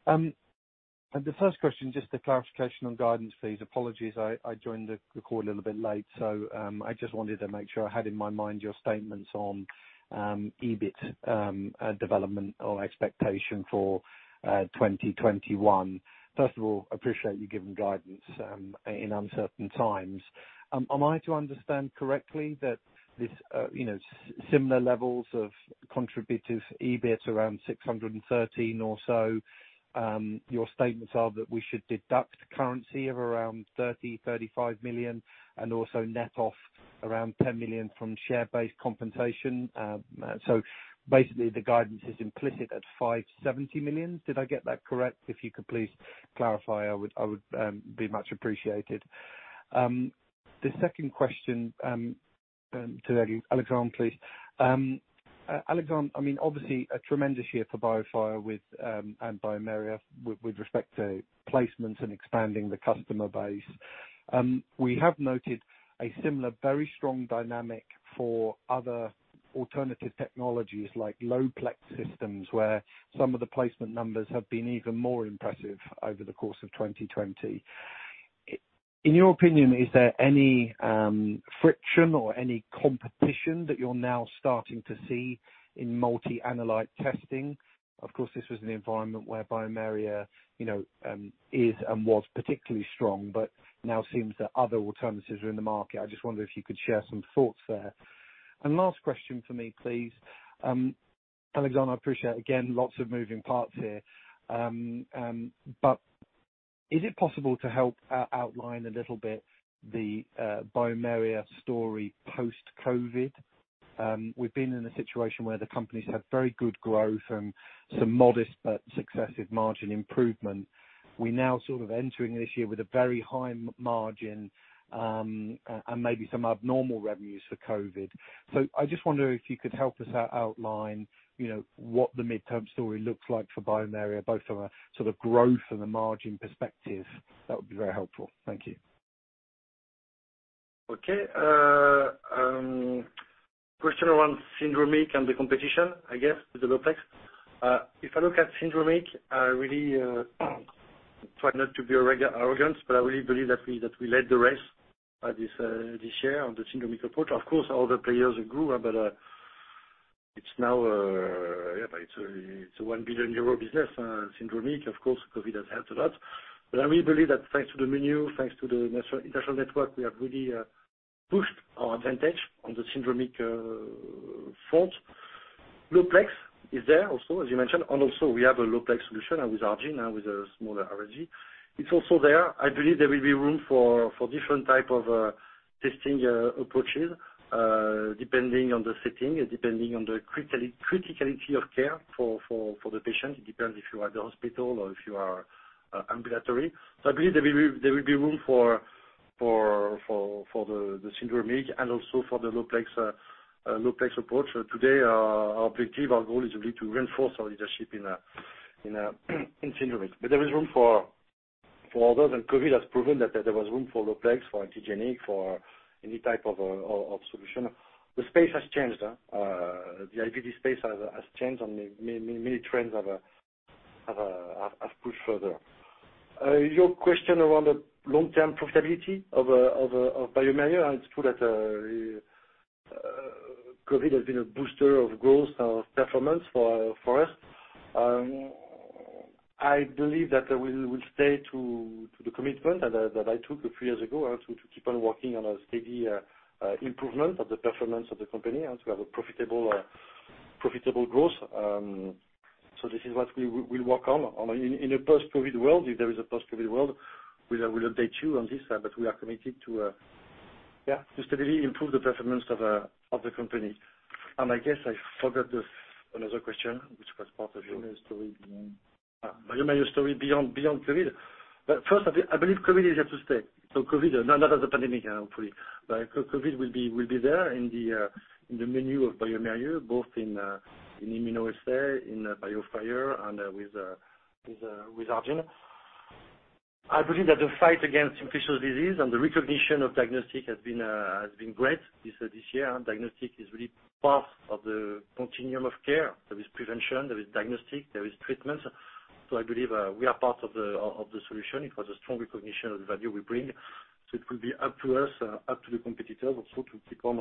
The first question, just a clarification on guidance fees. Apologies, I joined the call a little bit late, so I just wanted to make sure I had in my mind your statements on EBIT development or expectation for 2021. First of all, appreciate you giving guidance in uncertain times. Am I to understand correctly that this similar levels of contributive EBIT around 613 million or so, your statements are that we should deduct currency of around 30 million, 35 million and also net off around 10 million from share-based compensation? Basically, the guidance is implicit at 570 million. Did I get that correct? If you could please clarify, I would be much appreciated. The second question to Alexandre, please. Alexandre, obviously, a tremendous year for BIOFIRE and bioMérieux with respect to placements and expanding the customer base. We have noted a similar, very strong dynamic for other alternative technologies like low-plex systems, where some of the placement numbers have been even more impressive over the course of 2020. In your opinion, is there any friction or any competition that you're now starting to see in multi-analyte testing? Of course, this was an environment where bioMérieux is and was particularly strong. Now seems that other alternatives are in the market. I just wonder if you could share some thoughts there. Last question for me, please. Alexandre, I appreciate, again, lots of moving parts here. Is it possible to help outline a little bit the bioMérieux story post-COVID? We've been in a situation where the companies have very good growth and some modest but successive margin improvement. We now sort of entering this year with a very high margin and maybe some abnormal revenues for COVID. I just wonder if you could help us outline what the midterm story looks like for bioMérieux, both from a sort of growth and a margin perspective. That would be very helpful. Thank you. Okay. Question around syndromic and the competition with the low-plex. If I look at syndromic, I really try not to be arrogant, but I really believe that we led the race this year on the syndromic approach. Of course, other players grew, but it's now a 1 billion euro business, syndromic. Of course, COVID has helped a lot. I really believe that thanks to the menu, thanks to the international network, we have really pushed our advantage on the syndromic front. low-plex is there also, as you mentioned, and also we have a low-plex solution with ARGENE, now with a smaller ARGENE. It's also there. I believe there will be room for different type of testing approaches, depending on the setting, depending on the criticality of care for the patient. It depends if you are at the hospital or if you are ambulatory. I believe there will be room for the syndromic and also for the low-plex approach. Today, our objective, our goal is really to reinforce our leadership in syndromic. There is room for others, and COVID has proven that there was room for low-plex, for antigenic for any type of solution. The space has changed. The IVD space has changed and many trends have pushed further. Your question around the long-term profitability of bioMérieux, and it's true that COVID has been a booster of growth and of performance for us. I believe that we will stay to the commitment that I took a few years ago as to keep on working on a steady improvement of the performance of the company, and to have a profitable growth. This is what we'll work on. In a post-COVID world, if there is a post-COVID world, we will update you on this, but we are committed to steadily improve the performance of the company. I guess I forgot another question, which was part of it. bioMérieux story beyond. bioMérieux story beyond COVID. First, I believe COVID is here to stay. COVID, not as a pandemic, hopefully, but COVID will be there in the menu of bioMérieux both in Immunoassay, in BIOFIRE, and with ARGENE. I believe that the fight against infectious disease and the recognition of diagnostic has been great this year. Diagnostic is really part of the continuum of care. There is prevention, there is diagnostic, there is treatment. I believe we are part of the solution. It was a strong recognition of the value we bring. It will be up to us, up to the competitors also to keep on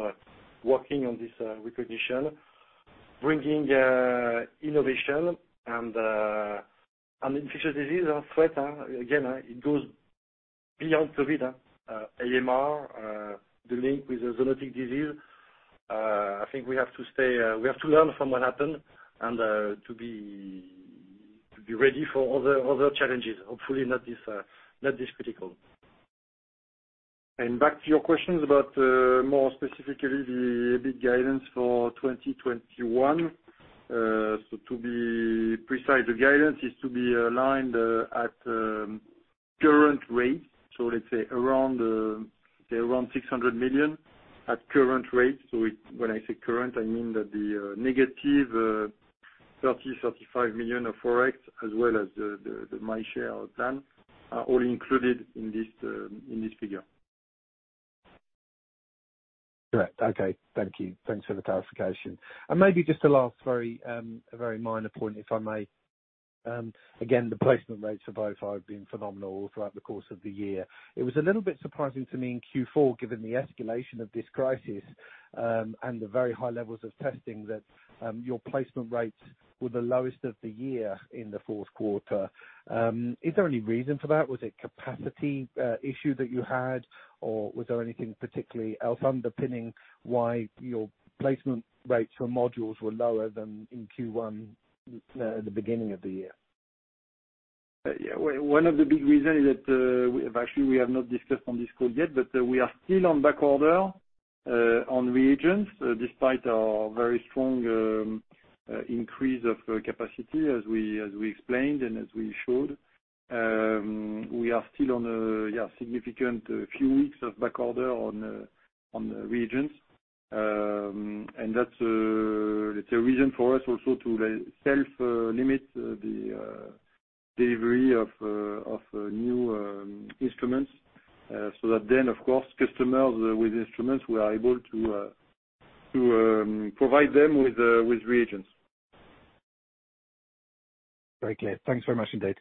working on this recognition, bringing innovation and infectious disease threat. Again, it goes beyond COVID. AMR, the link with the zoonotic disease. I think we have to learn from what happened and to be ready for other challenges. Hopefully not this critical. Back to your questions about more specifically the EBIT guidance for 2021. To be precise, the guidance is to be aligned at current rates. Let's say around 600 million at current rates. When I say current, I mean that the - 30 million-35 million of ForEx as well as the MyShare plan are all included in this figure. Correct. Okay. Thank you. Thanks for the clarification. Maybe just a last very minor point, if I may. Again, the placement rates for both have been phenomenal throughout the course of the year. It was a little bit surprising to me in Q4, given the escalation of this crisis, and the very high levels of testing that your placement rates were the lowest of the year in the fourth quarter. Is there any reason for that? Was it capacity issue that you had, or was there anything particularly else underpinning why your placement rates for modules were lower than in Q1 at the beginning of the year? Yeah. One of the big reasons that actually we have not discussed on this call yet, but we are still on back order on reagents, despite our very strong increase of capacity as we explained and as we showed. We are still on a significant few weeks of back order on the reagents. That's a reason for us also to self-limit the delivery of new instruments, so that then, of course, customers with instruments, we are able to provide them with reagents. Very clear. Thanks very much indeed.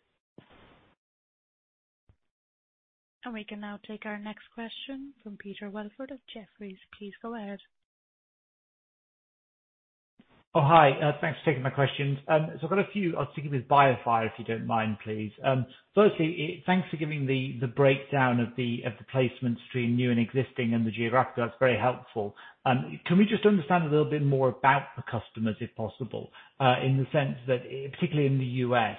We can now take our next question from Peter Welford of Jefferies. Please go ahead. Oh, hi. Thanks for taking my questions. I've got a few. I'll stick with BIOFIRE, if you don't mind, please. Firstly, thanks for giving the breakdown of the placements between new and existing and the geographic. That's very helpful. Can we just understand a little bit more about the customers, if possible? In the sense that, particularly in the U.S.,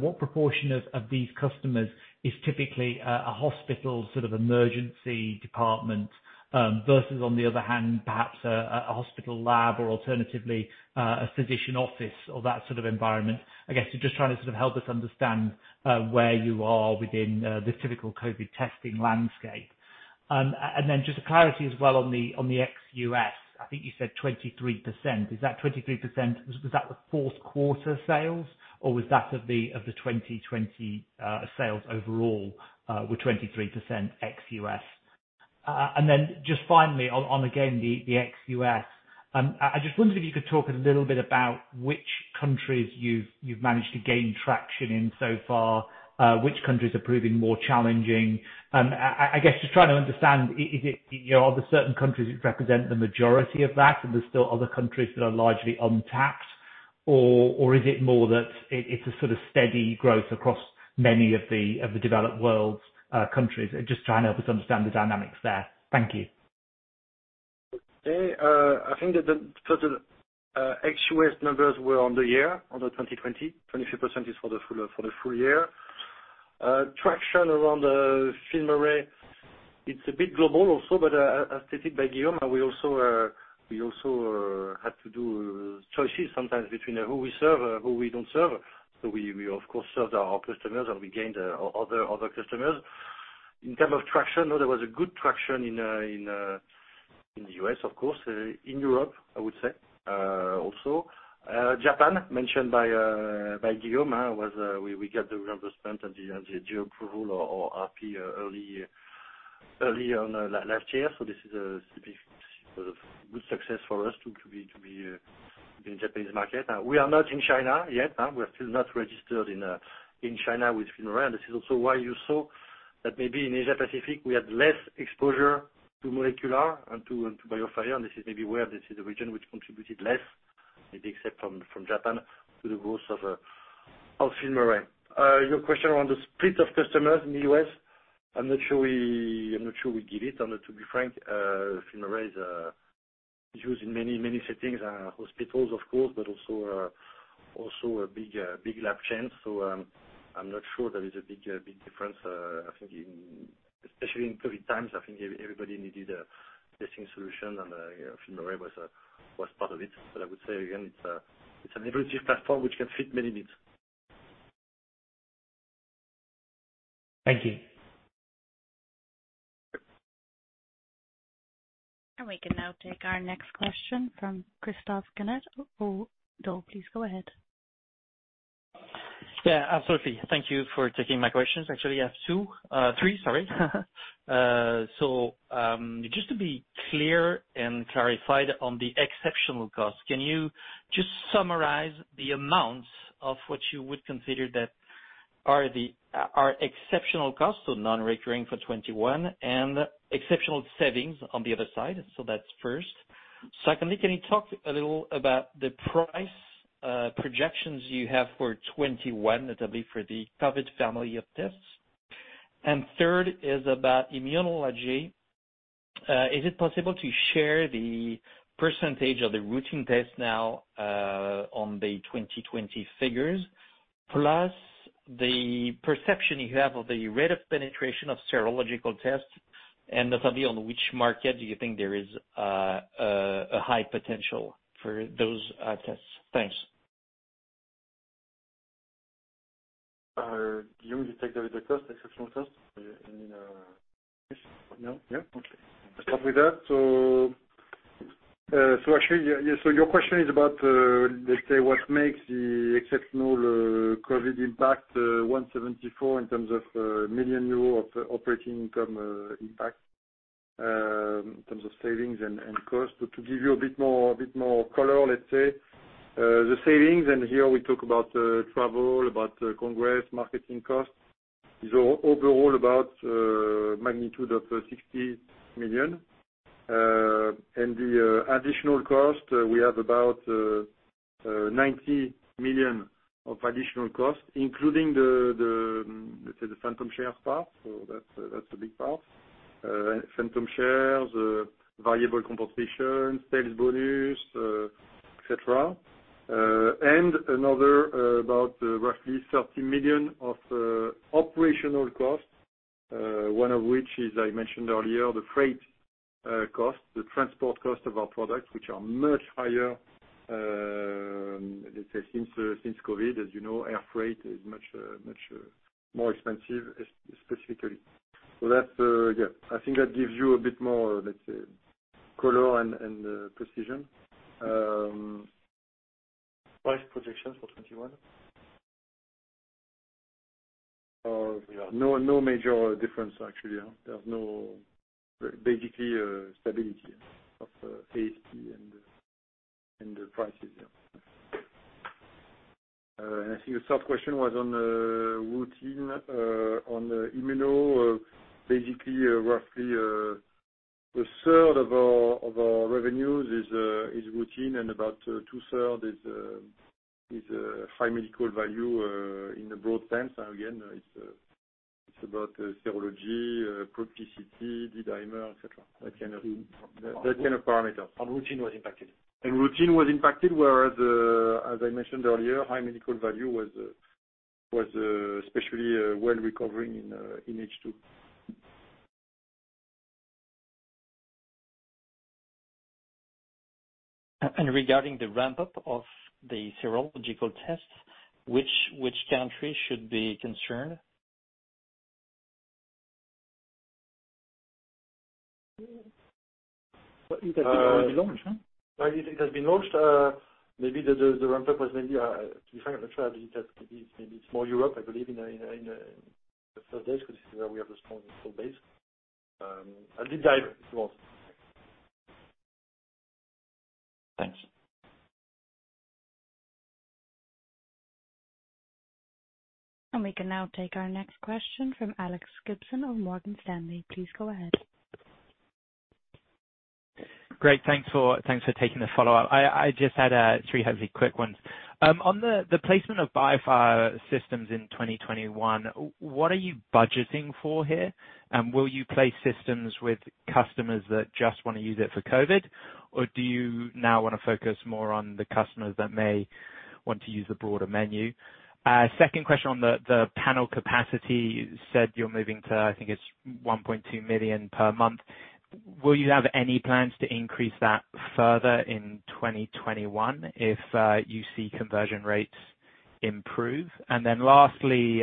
what proportion of these customers is typically a hospital sort of emergency department, versus on the other hand, perhaps a hospital lab or alternatively a physician office or that sort of environment. I guess you're just trying to sort of help us understand where you are within the typical COVID testing landscape. Then just a clarity as well on the ex-U.S., I think you said 23%. Is that 23%, was that the fourth quarter sales? Or was that of the 2020 sales overall were 23% ex-U.S.? Just finally on, again, the ex-U.S., I just wondered if you could talk a little bit about which countries you've managed to gain traction in so far, which countries are proving more challenging. I guess just trying to understand, are there certain countries that represent the majority of that, and there's still other countries that are largely untapped? Is it more that it's a sort of steady growth across many of the developed world's countries? Just trying to help us understand the dynamics there. Thank you. Okay. I think that the total ex-U.S. numbers were on the year, on the 2020. 23% is for the full year. Traction around the FILMARRAY, it's a bit global also. As stated by Guillaume, we also had to do choices sometimes between who we serve and who we don't serve. We of course served our customers and we gained other customers. In terms of traction, there was a good traction in the U.S., of course, in Europe, I would say also. Japan, mentioned by Guillaume, we got the reimbursement and the geo pro or RP early on last year. This is a good success for us to be in Japanese market. We are not in China yet. We're still not registered in China with FILMARRAY. This is also why you saw that maybe in Asia Pacific, we had less exposure to molecular and to bioMérieux. This is maybe where this is a region which contributed less, maybe except from Japan to the growth of FILMARRAY. Your question around the split of customers in the U.S. I'm not sure we did it, to be frank. FILMARRAY is used in many, many settings, hospitals, of course, but also a big lab chain. I'm not sure there is a big difference. I think especially in COVID-19 times, I think everybody needed a testing solution and FILMARRAY was part of it. I would say again, it's an innovative platform which can fit many needs. Thank you. We can now take our next question from Christophe Ganet at ODDO. Please go ahead. Yeah, absolutely. Thank you for taking my questions. Actually, I have two. Three, sorry. Just to be clear and clarified on the exceptional cost, can you just summarize the amounts of what you would consider that are exceptional costs, non-recurring for 2021, and exceptional savings on the other side? Secondly, can you talk a little about the price projections you have for 2021, notably for the COVID family of tests? Third is about immunology. Is it possible to share the percentage of the routine tests now on the 2020 figures, plus the perception you have of the rate of penetration of serological tests, and notably on which market do you think there is a high potential for those tests? Thanks. Guillaume, you take the cost, exceptional cost? I mean, yes. No? Yeah. Okay. Start with that. Actually, your question is about, let's say, what makes the exceptional COVID impact, 174 million euro of operating income impact in terms of savings and cost. To give you a bit more color, let's say, the savings, and here we talk about travel, about congress, marketing costs, is overall about magnitude of 60 million. The additional cost, we have about 90 million of additional cost, including the phantom share part. That's a big part. Phantom shares, variable compensation, sales bonus, et cetera. Another about roughly 30 million of operational cost. One of which is, I mentioned earlier, the freight cost, the transport cost of our product, which are much higher, let's say, since COVID. As you know, air freight is much more expensive specifically. I think that gives you a bit more, let's say, color and precision. Price projections for 2021. No major difference, actually. There's no basically stability of ASP and the prices, yeah. I think your third question was on the routine on the immuno. Basically, roughly a third of our revenues is routine and about two-third is high medical value in a broad sense. It's about serology, proPCT, D-dimer, et cetera, that kind of parameters. Routine was impacted. Routine was impacted, whereas as I mentioned earlier, high medical value was especially well recovering in H2. Regarding the ramp-up of the serological tests, which country should be concerned? You said it has already been launched, right? I think it has been launched. Maybe the ramp-up was, to be frank, I'm not sure. I believe that maybe it's more Europe in the first days, because this is where we have the strongest base. I'll deep dive. It was. Thanks. We can now take our next question from Alex Gibson of Morgan Stanley. Please go ahead. Great. Thanks for taking the follow-up. I just had three hopefully quick ones. On the placement of BIOFIRE systems in 2021, what are you budgeting for here? Will you place systems with customers that just want to use it for COVID, or do you now want to focus more on the customers that may want to use the broader menu? Second question on the panel capacity. You said you're moving to, I think it's 1.2 million per month. Will you have any plans to increase that further in 2021 if you see conversion rates improve? Then lastly,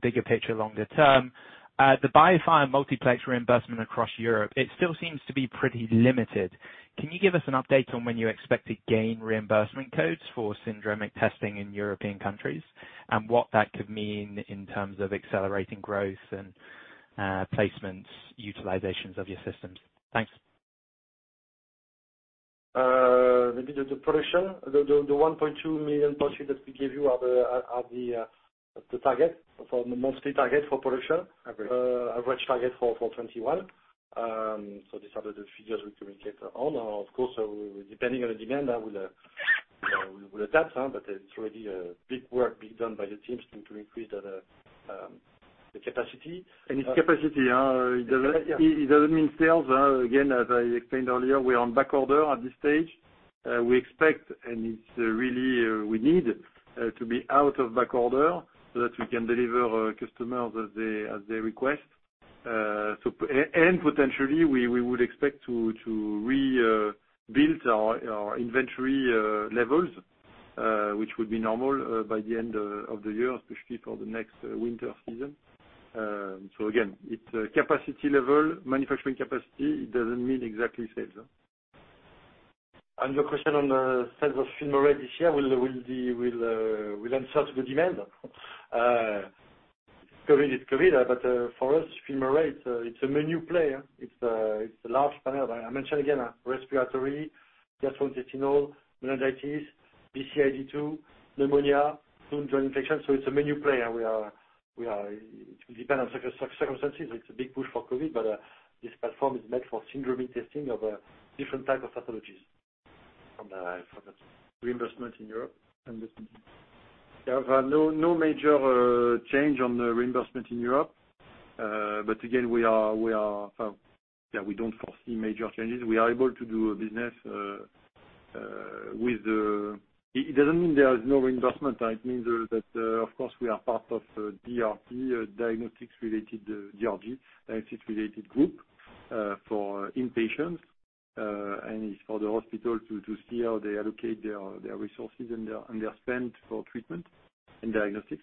bigger picture, longer term, the BIOFIRE multiplex reimbursement across Europe. It still seems to be pretty limited. Can you give us an update on when you expect to gain reimbursement codes for syndromic testing in European countries, and what that could mean in terms of accelerating growth and placements, utilizations of your systems? Thanks. Maybe the production, the 1.2 million budget that we gave you are the monthly target for production. Agreed. Average target for 2021. These are the figures we communicate on. Of course, depending on the demand, that will attach. It's really big work being done by the teams to increase the capacity. Its capacity. It doesn't mean sales. Again, as I explained earlier, we are on backorder at this stage. We expect, and it's really we need to be out of backorder so that we can deliver customers as they request. Potentially, we would expect to rebuild our inventory levels, which would be normal by the end of the year, especially for the next winter season. Again, it's capacity level, manufacturing capacity. It doesn't mean exactly sales. Your question on the sales of FILMARRAY this year will answer to the demand. COVID is COVID, but for us, FILMARRAY, it's a menu play. It's a large panel. I mention again, respiratory, gastrointestinal, meningitis, BCID2, pneumonia, soon joint infection. It's a menu play, and it will depend on circumstances. It's a big push for COVID, but this platform is meant for syndromic testing of different types of pathologies. From the reimbursement in Europe? There is no major change on the reimbursement. We don't foresee major changes. We are able to do business. It doesn't mean there is no reimbursement. It means that of course we are part of DRT, diagnostics-related DRG, diagnostic-related group for inpatients, and it's for the hospital to see how they allocate their resources and their spend for treatment and diagnostics.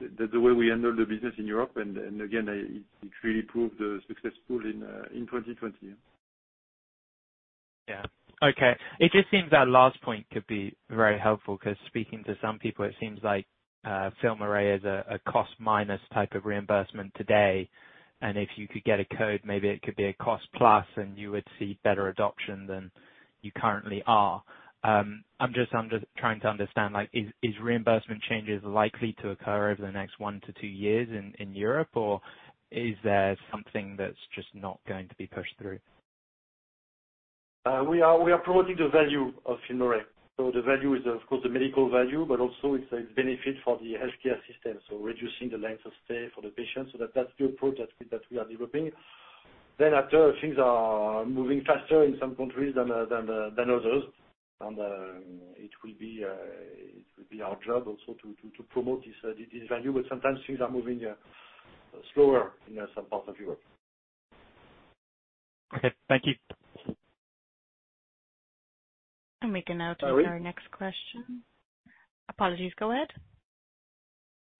That's the way we handle the business in Europe, and again, it really proved successful in 2020. Yeah. Okay. It just seems that last point could be very helpful because speaking to some people, it seems like FILMARRAY is a cost-minus type of reimbursement today, and if you could get a code, maybe it could be a cost plus, and you would see better adoption than you currently are. I'm just trying to understand, is reimbursement changes likely to occur over the next one to two years in Europe, or is there something that's just not going to be pushed through? We are promoting the value of FILMARRAY. The value is, of course, the medical value, but also its benefit for the healthcare system, reducing the length of stay for the patient. That's the approach that we are developing. Things are moving faster in some countries than others, and it will be our job also to promote this value, but sometimes things are moving slower in some parts of Europe. Okay. Thank you. We can now take our next question. Mary? Apologies. Go ahead.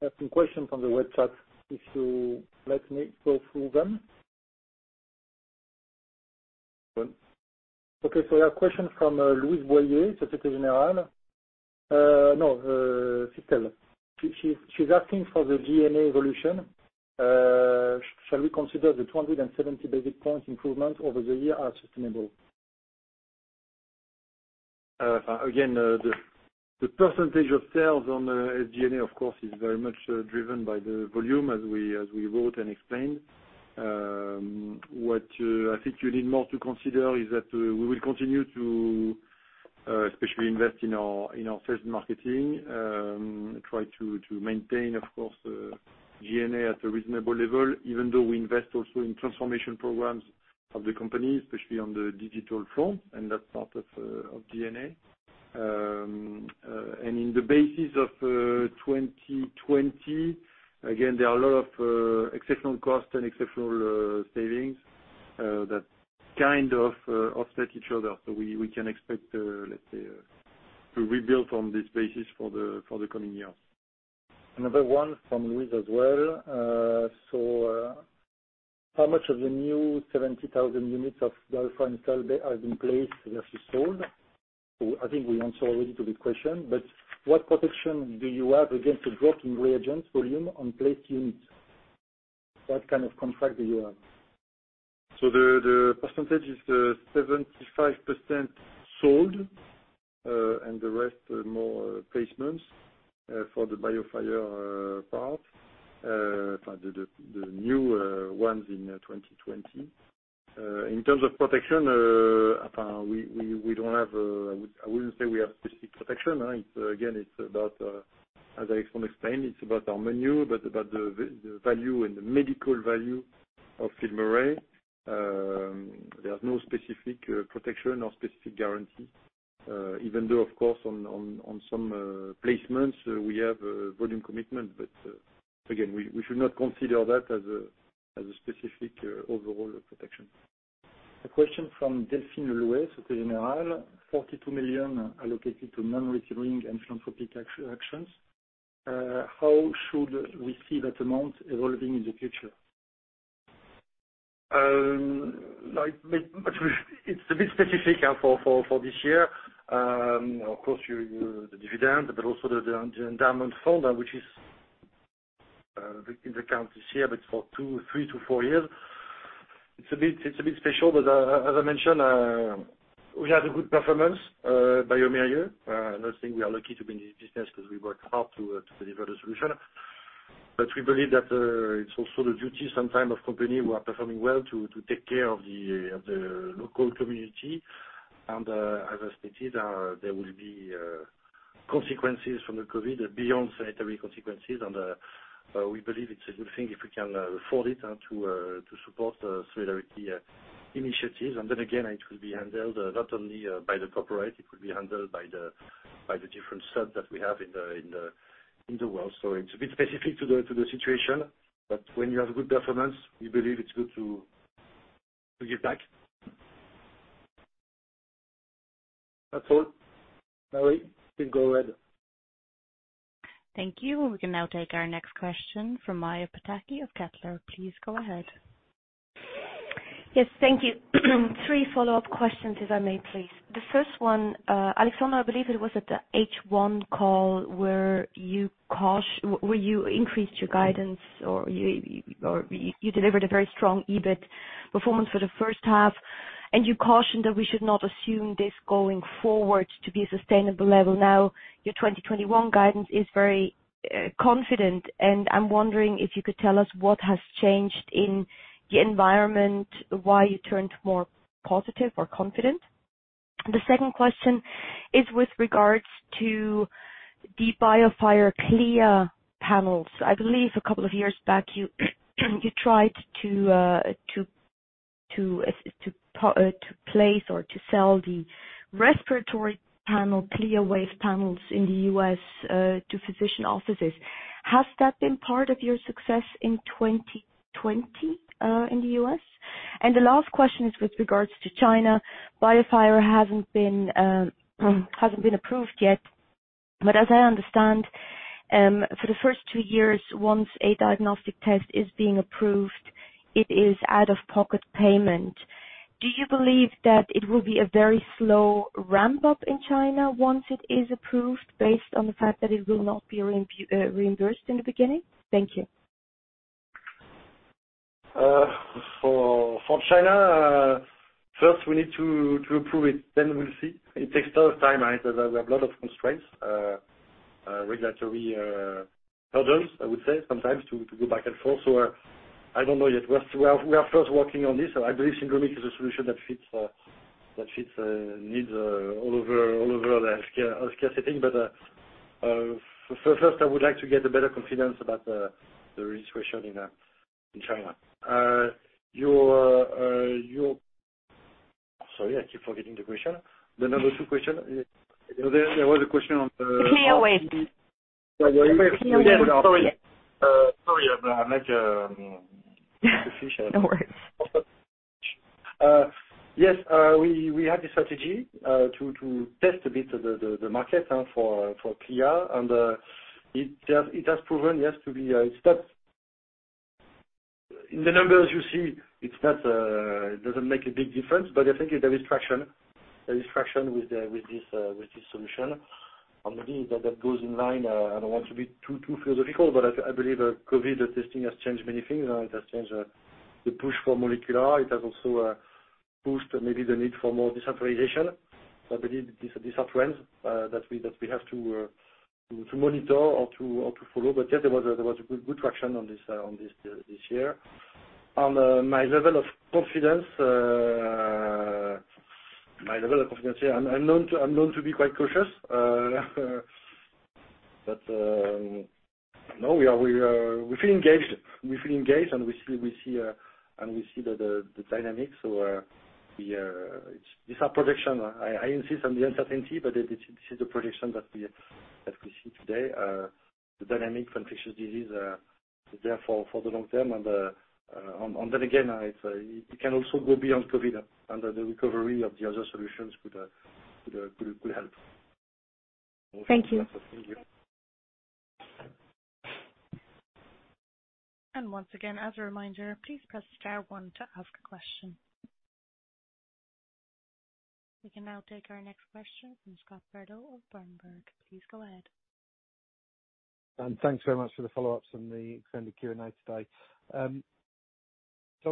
I have some questions from the website, if you let me go through them. Good. Okay, I have a question from Louise Boyer, Societe Generale. No, Stifel. She's asking for the G&A evolution. Shall we consider the 270 basis points improvement over the year are sustainable? Again, the percentage of sales on SG&A, of course, is very much driven by the volume, as we wrote and explained. What I think you need more to consider is that we will continue to especially invest in our sales and marketing, try to maintain, of course, G&A at a reasonable level, even though we invest also in transformation programs of the company, especially on the digital front, and that's part of G&A. In the basis of 2020, again, there are a lot of exceptional costs and exceptional savings that kind of offset each other. We can expect to, let's say, to rebuild from this basis for the coming years. Another one from Louise as well. How much of the new 70,000 units of Alpha and Salbe have been placed versus sold? I think we answered already to the question, but what protection do you have against the drop in reagents volume on placed units? What kind of contract do you have? The percentage is 75% sold, and the rest more placements for the BIOFIRE part for the new ones in 2020. In terms of protection, I wouldn't say we have specific protection. Again, as Alexandre explained, it's about our menu, about the value and the medical value of FILMARRAY. There's no specific protection or specific guarantee. Even though, of course, on some placements, we have volume commitment. Again, we should not consider that as a specific overall protection. A question from Delphine Le Louet, Societe Generale. 42 million allocated to non-recurring and philanthropic actions. How should we see that amount evolving in the future? It's a bit specific for this year. The dividend, but also the endowment fund, which is in the account this year, but for three to four years. It's a bit special, as I mentioned, we had a good performance, bioMérieux. I don't think we are lucky to be in this business because we worked hard to deliver the solution. We believe that it's also the duty sometimes of companies who are performing well to take care of the local community. As I stated, there will be consequences from the COVID-19 beyond sanitary consequences. We believe it's a good thing if we can afford it, and to support solidarity initiatives. It will be handled not only by the corporate. It will be handled by the different subs that we have in the world. It's a bit specific to the situation. When you have good performance, we believe it's good to give back. That's all. Marie, please go ahead. Thank you. We can now take our next question from Maja Pataki of Kepler. Please go ahead. Yes, thank you. Three follow-up questions if I may please. The first one, Alexandre, I believe it was at the H1 call where you increased your guidance, or you delivered a very strong EBIT performance for the first half, and you cautioned that we should not assume this going forward to be a sustainable level. Your 2021 guidance is very confident, and I'm wondering if you could tell us what has changed in the environment, why you turned more positive or confident. The second question is with regards to the BIOFIRE CLIA panels. I believe a couple of years back you tried to place or to sell the respiratory panel, CLIA waived panels in the U.S. to physician offices. Has that been part of your success in 2020 in the U.S.? The last question is with regards to China. BIOFIRE hasn't been approved yet, but as I understand, for the first two years, once a diagnostic test is being approved, it is out-of-pocket payment. Do you believe that it will be a very slow ramp-up in China once it is approved, based on the fact that it will not be reimbursed in the beginning? Thank you. For China, first we need to approve it, then we'll see. It takes a lot of time. There are a lot of constraints, regulatory hurdles, I would say, sometimes to go back and forth. I don't know yet. We are first working on this. I believe syndromic is a solution that fits needs all over the healthcare setting. First I would like to get a better confidence about the registration in China. Sorry, I keep forgetting the question. The number two question. CLIA waived. Yeah. Sorry. I'm not efficient. No worries. Yes, we have the strategy to test a bit the market for CLIA, and it has proven, yes, to be a step. In the numbers you see, it doesn't make a big difference, but I think there is traction. There is traction with this solution. That goes in line, I don't want to be too philosophical, but I believe COVID testing has changed many things. It has changed the push for molecular. It has also pushed maybe the need for more decentralization. I believe these are trends that we have to monitor or to follow. Yes, there was good traction on this this year. On my level of confidence, I'm known to be quite cautious. No, we feel engaged, and we see the dynamics. These are predictions. I insist on the uncertainty, but this is the prediction that we see today. The dynamic infectious disease is there for the long term, and then again, it can also go beyond COVID, and the recovery of the other solutions could help. Thank you. Thank you. Once again, as a reminder, please press star one to ask a question. We can now take our next question from Scott Bardo of Berenberg. Please go ahead. Thanks very much for the follow-ups and the extended Q and A today.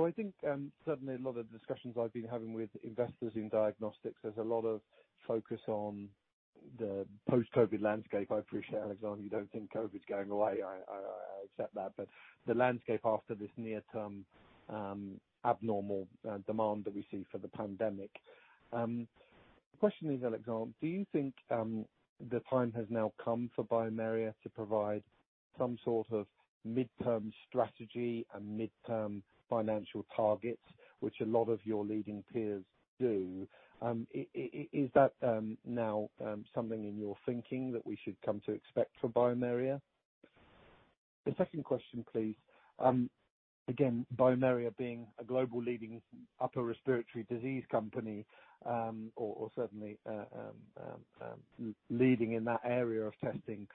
I think, certainly a lot of the discussions I've been having with investors in diagnostics, there's a lot of focus on the post-COVID landscape. I appreciate, Alexandre, you don't think COVID's going away. I accept that. The landscape after this near-term abnormal demand that we see for the pandemic. Question is, Alexandre, do you think the time has now come for bioMérieux to provide some sort of mid-term strategy and mid-term financial targets, which a lot of your leading peers do? Is that now something in your thinking that we should come to expect from bioMérieux? The second question, please. Again, bioMérieux being a global leading upper respiratory disease company, or certainly leading in that area of testing.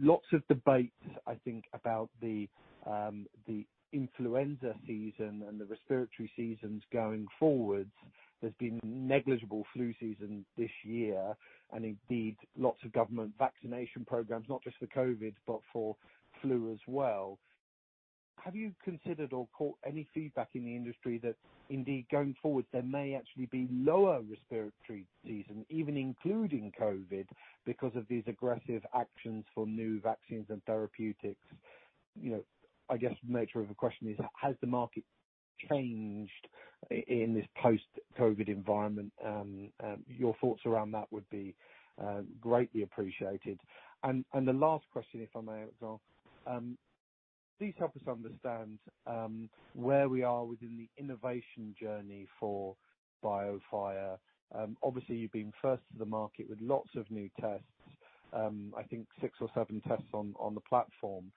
Lots of debates, I think, about the influenza season and the respiratory seasons going forwards. There's been negligible flu season this year, and indeed, lots of government vaccination programs, not just for COVID, but for flu as well. Have you considered or caught any feedback in the industry that indeed, going forward, there may actually be lower respiratory season, even including COVID, because of these aggressive actions for new vaccines and therapeutics? I guess the nature of the question is, has the market changed in this post-COVID environment? Your thoughts around that would be greatly appreciated. The last question, if I may, Alexandre. Please help us understand where we are within the innovation journey for BIOFIRE. Obviously, you've been first to the market with lots of new tests. I think six or seven tests on the platform.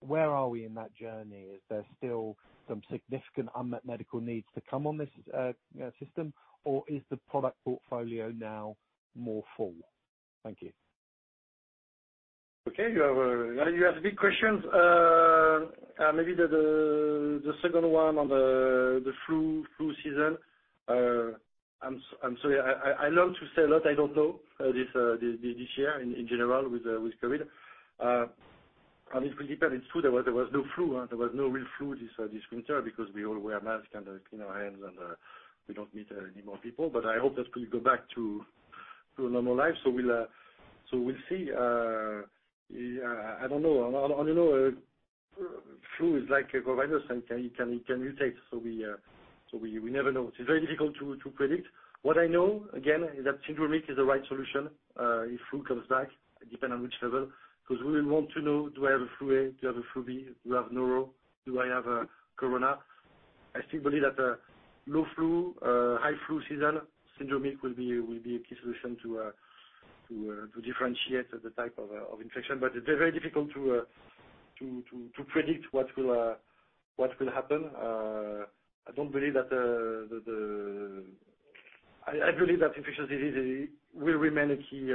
Where are we in that journey? Is there still some significant unmet medical needs to come on this system? Is the product portfolio now more full? Thank you. Okay. You have big questions. Maybe the second one on the flu season. I'm sorry. I love to say a lot I don't know this year in general with COVID. It will depend. It is true there was no flu. There was no real flu this winter because we all wear masks and clean our hands, and we don't meet any more people. I hope that we go back to a normal life. We'll see. I don't know. Flu is like a coronavirus, and it can mutate, so we never know. It is very difficult to predict. What I know, again, is that syndromic is the right solution if flu comes back, depending on which level. Because we want to know, do I have a flu A? Do I have a flu B? Do I have neuro? Do I have corona? I still believe that low flu, high flu season, syndromic will be a key solution to differentiate the type of infection. It's very difficult to predict what will happen. I believe that infectious disease will remain a key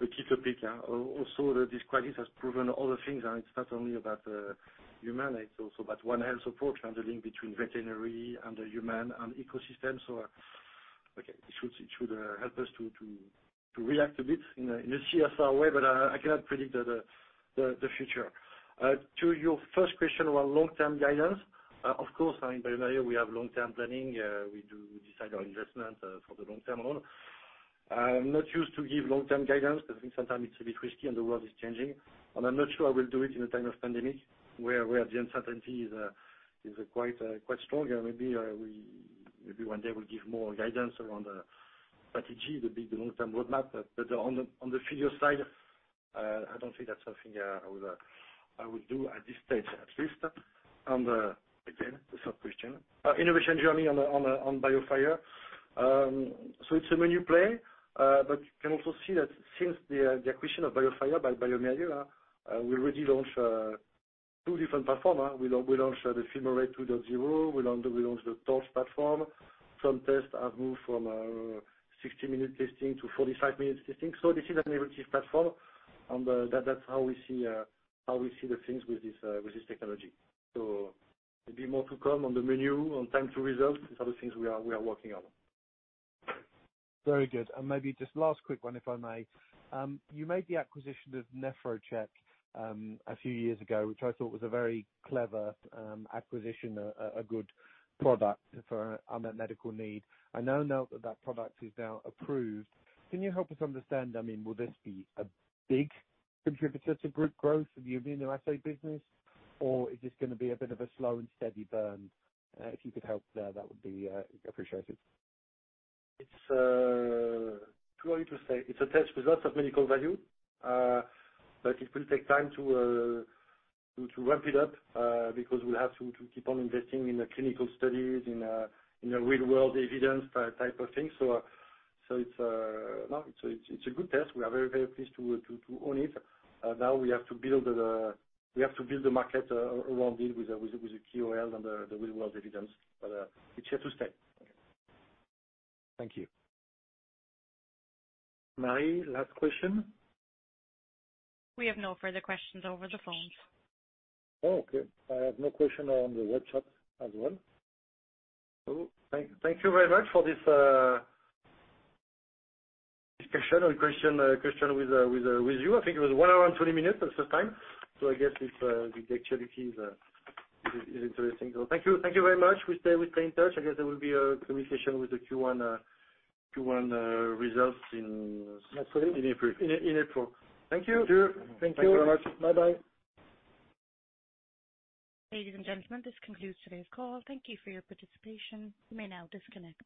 topic. This crisis has proven other things, and it's not only about human, it's also about One Health approach and the link between veterinary and the human and ecosystem. Okay, it should help us to react a bit in a CSR way, but I cannot predict the future. To your first question about long-term guidance. Of course, in bioMérieux, we have long-term planning. We decide our investment for the long term alone. I'm not used to give long-term guidance because I think sometimes it's a bit risky. The world is changing, and I'm not sure I will do it in a time of pandemic where the uncertainty is quite strong. Maybe one day we'll give more guidance around the strategy, the big, long-term roadmap. On the figure side, I don't think that's something I would do at this stage, at least. On the, again, the sub-question. Innovation journey on BIOFIRE. It's a menu play. You can also see that since the acquisition of BIOFIRE by bioMérieux, we already launched two different platform. We launched the FILMARRAY 2.0. We launched the TORCH platform. Some tests have moved from 60-minute testing to 45-minutes testing. This is an innovative platform. That's how we see the things with this technology. Maybe more to come on the menu, on time to results. These are the things we are working on. Very good. Maybe just last quick one, if I may. You made the acquisition of NEPHROCHECK a few years ago, which I thought was a very clever acquisition, a good product for unmet medical need. I now note that product is now approved. Can you help us understand, will this be a big contributor to group growth of the immunoassay business, or is this going to be a bit of a slow and steady burn? If you could help there, that would be appreciated. It's too early to say. It's a test with lots of medical value. It will take time to ramp it up, because we have to keep on investing in the clinical studies, in a real-world evidence type of thing. It's a good test. We are very pleased to own it. Now we have to build the market around it with the KOL and the real-world evidence. It's here to stay. Thank you. Mary, last question? We have no further questions over the phone. Oh, okay. I have no question on the web chat as well. Thank you very much for this discussion or question with you. I think it was one hour and 20 minutes this time. I guess the activity is interesting. Thank you very much. We stay in touch. I guess there will be a communication with the Q1 results. Next week. In April. Thank you. Thank you. Thank you very much. Bye-bye. Ladies and gentlemen, this concludes today's call. Thank you for your participation. You may now disconnect.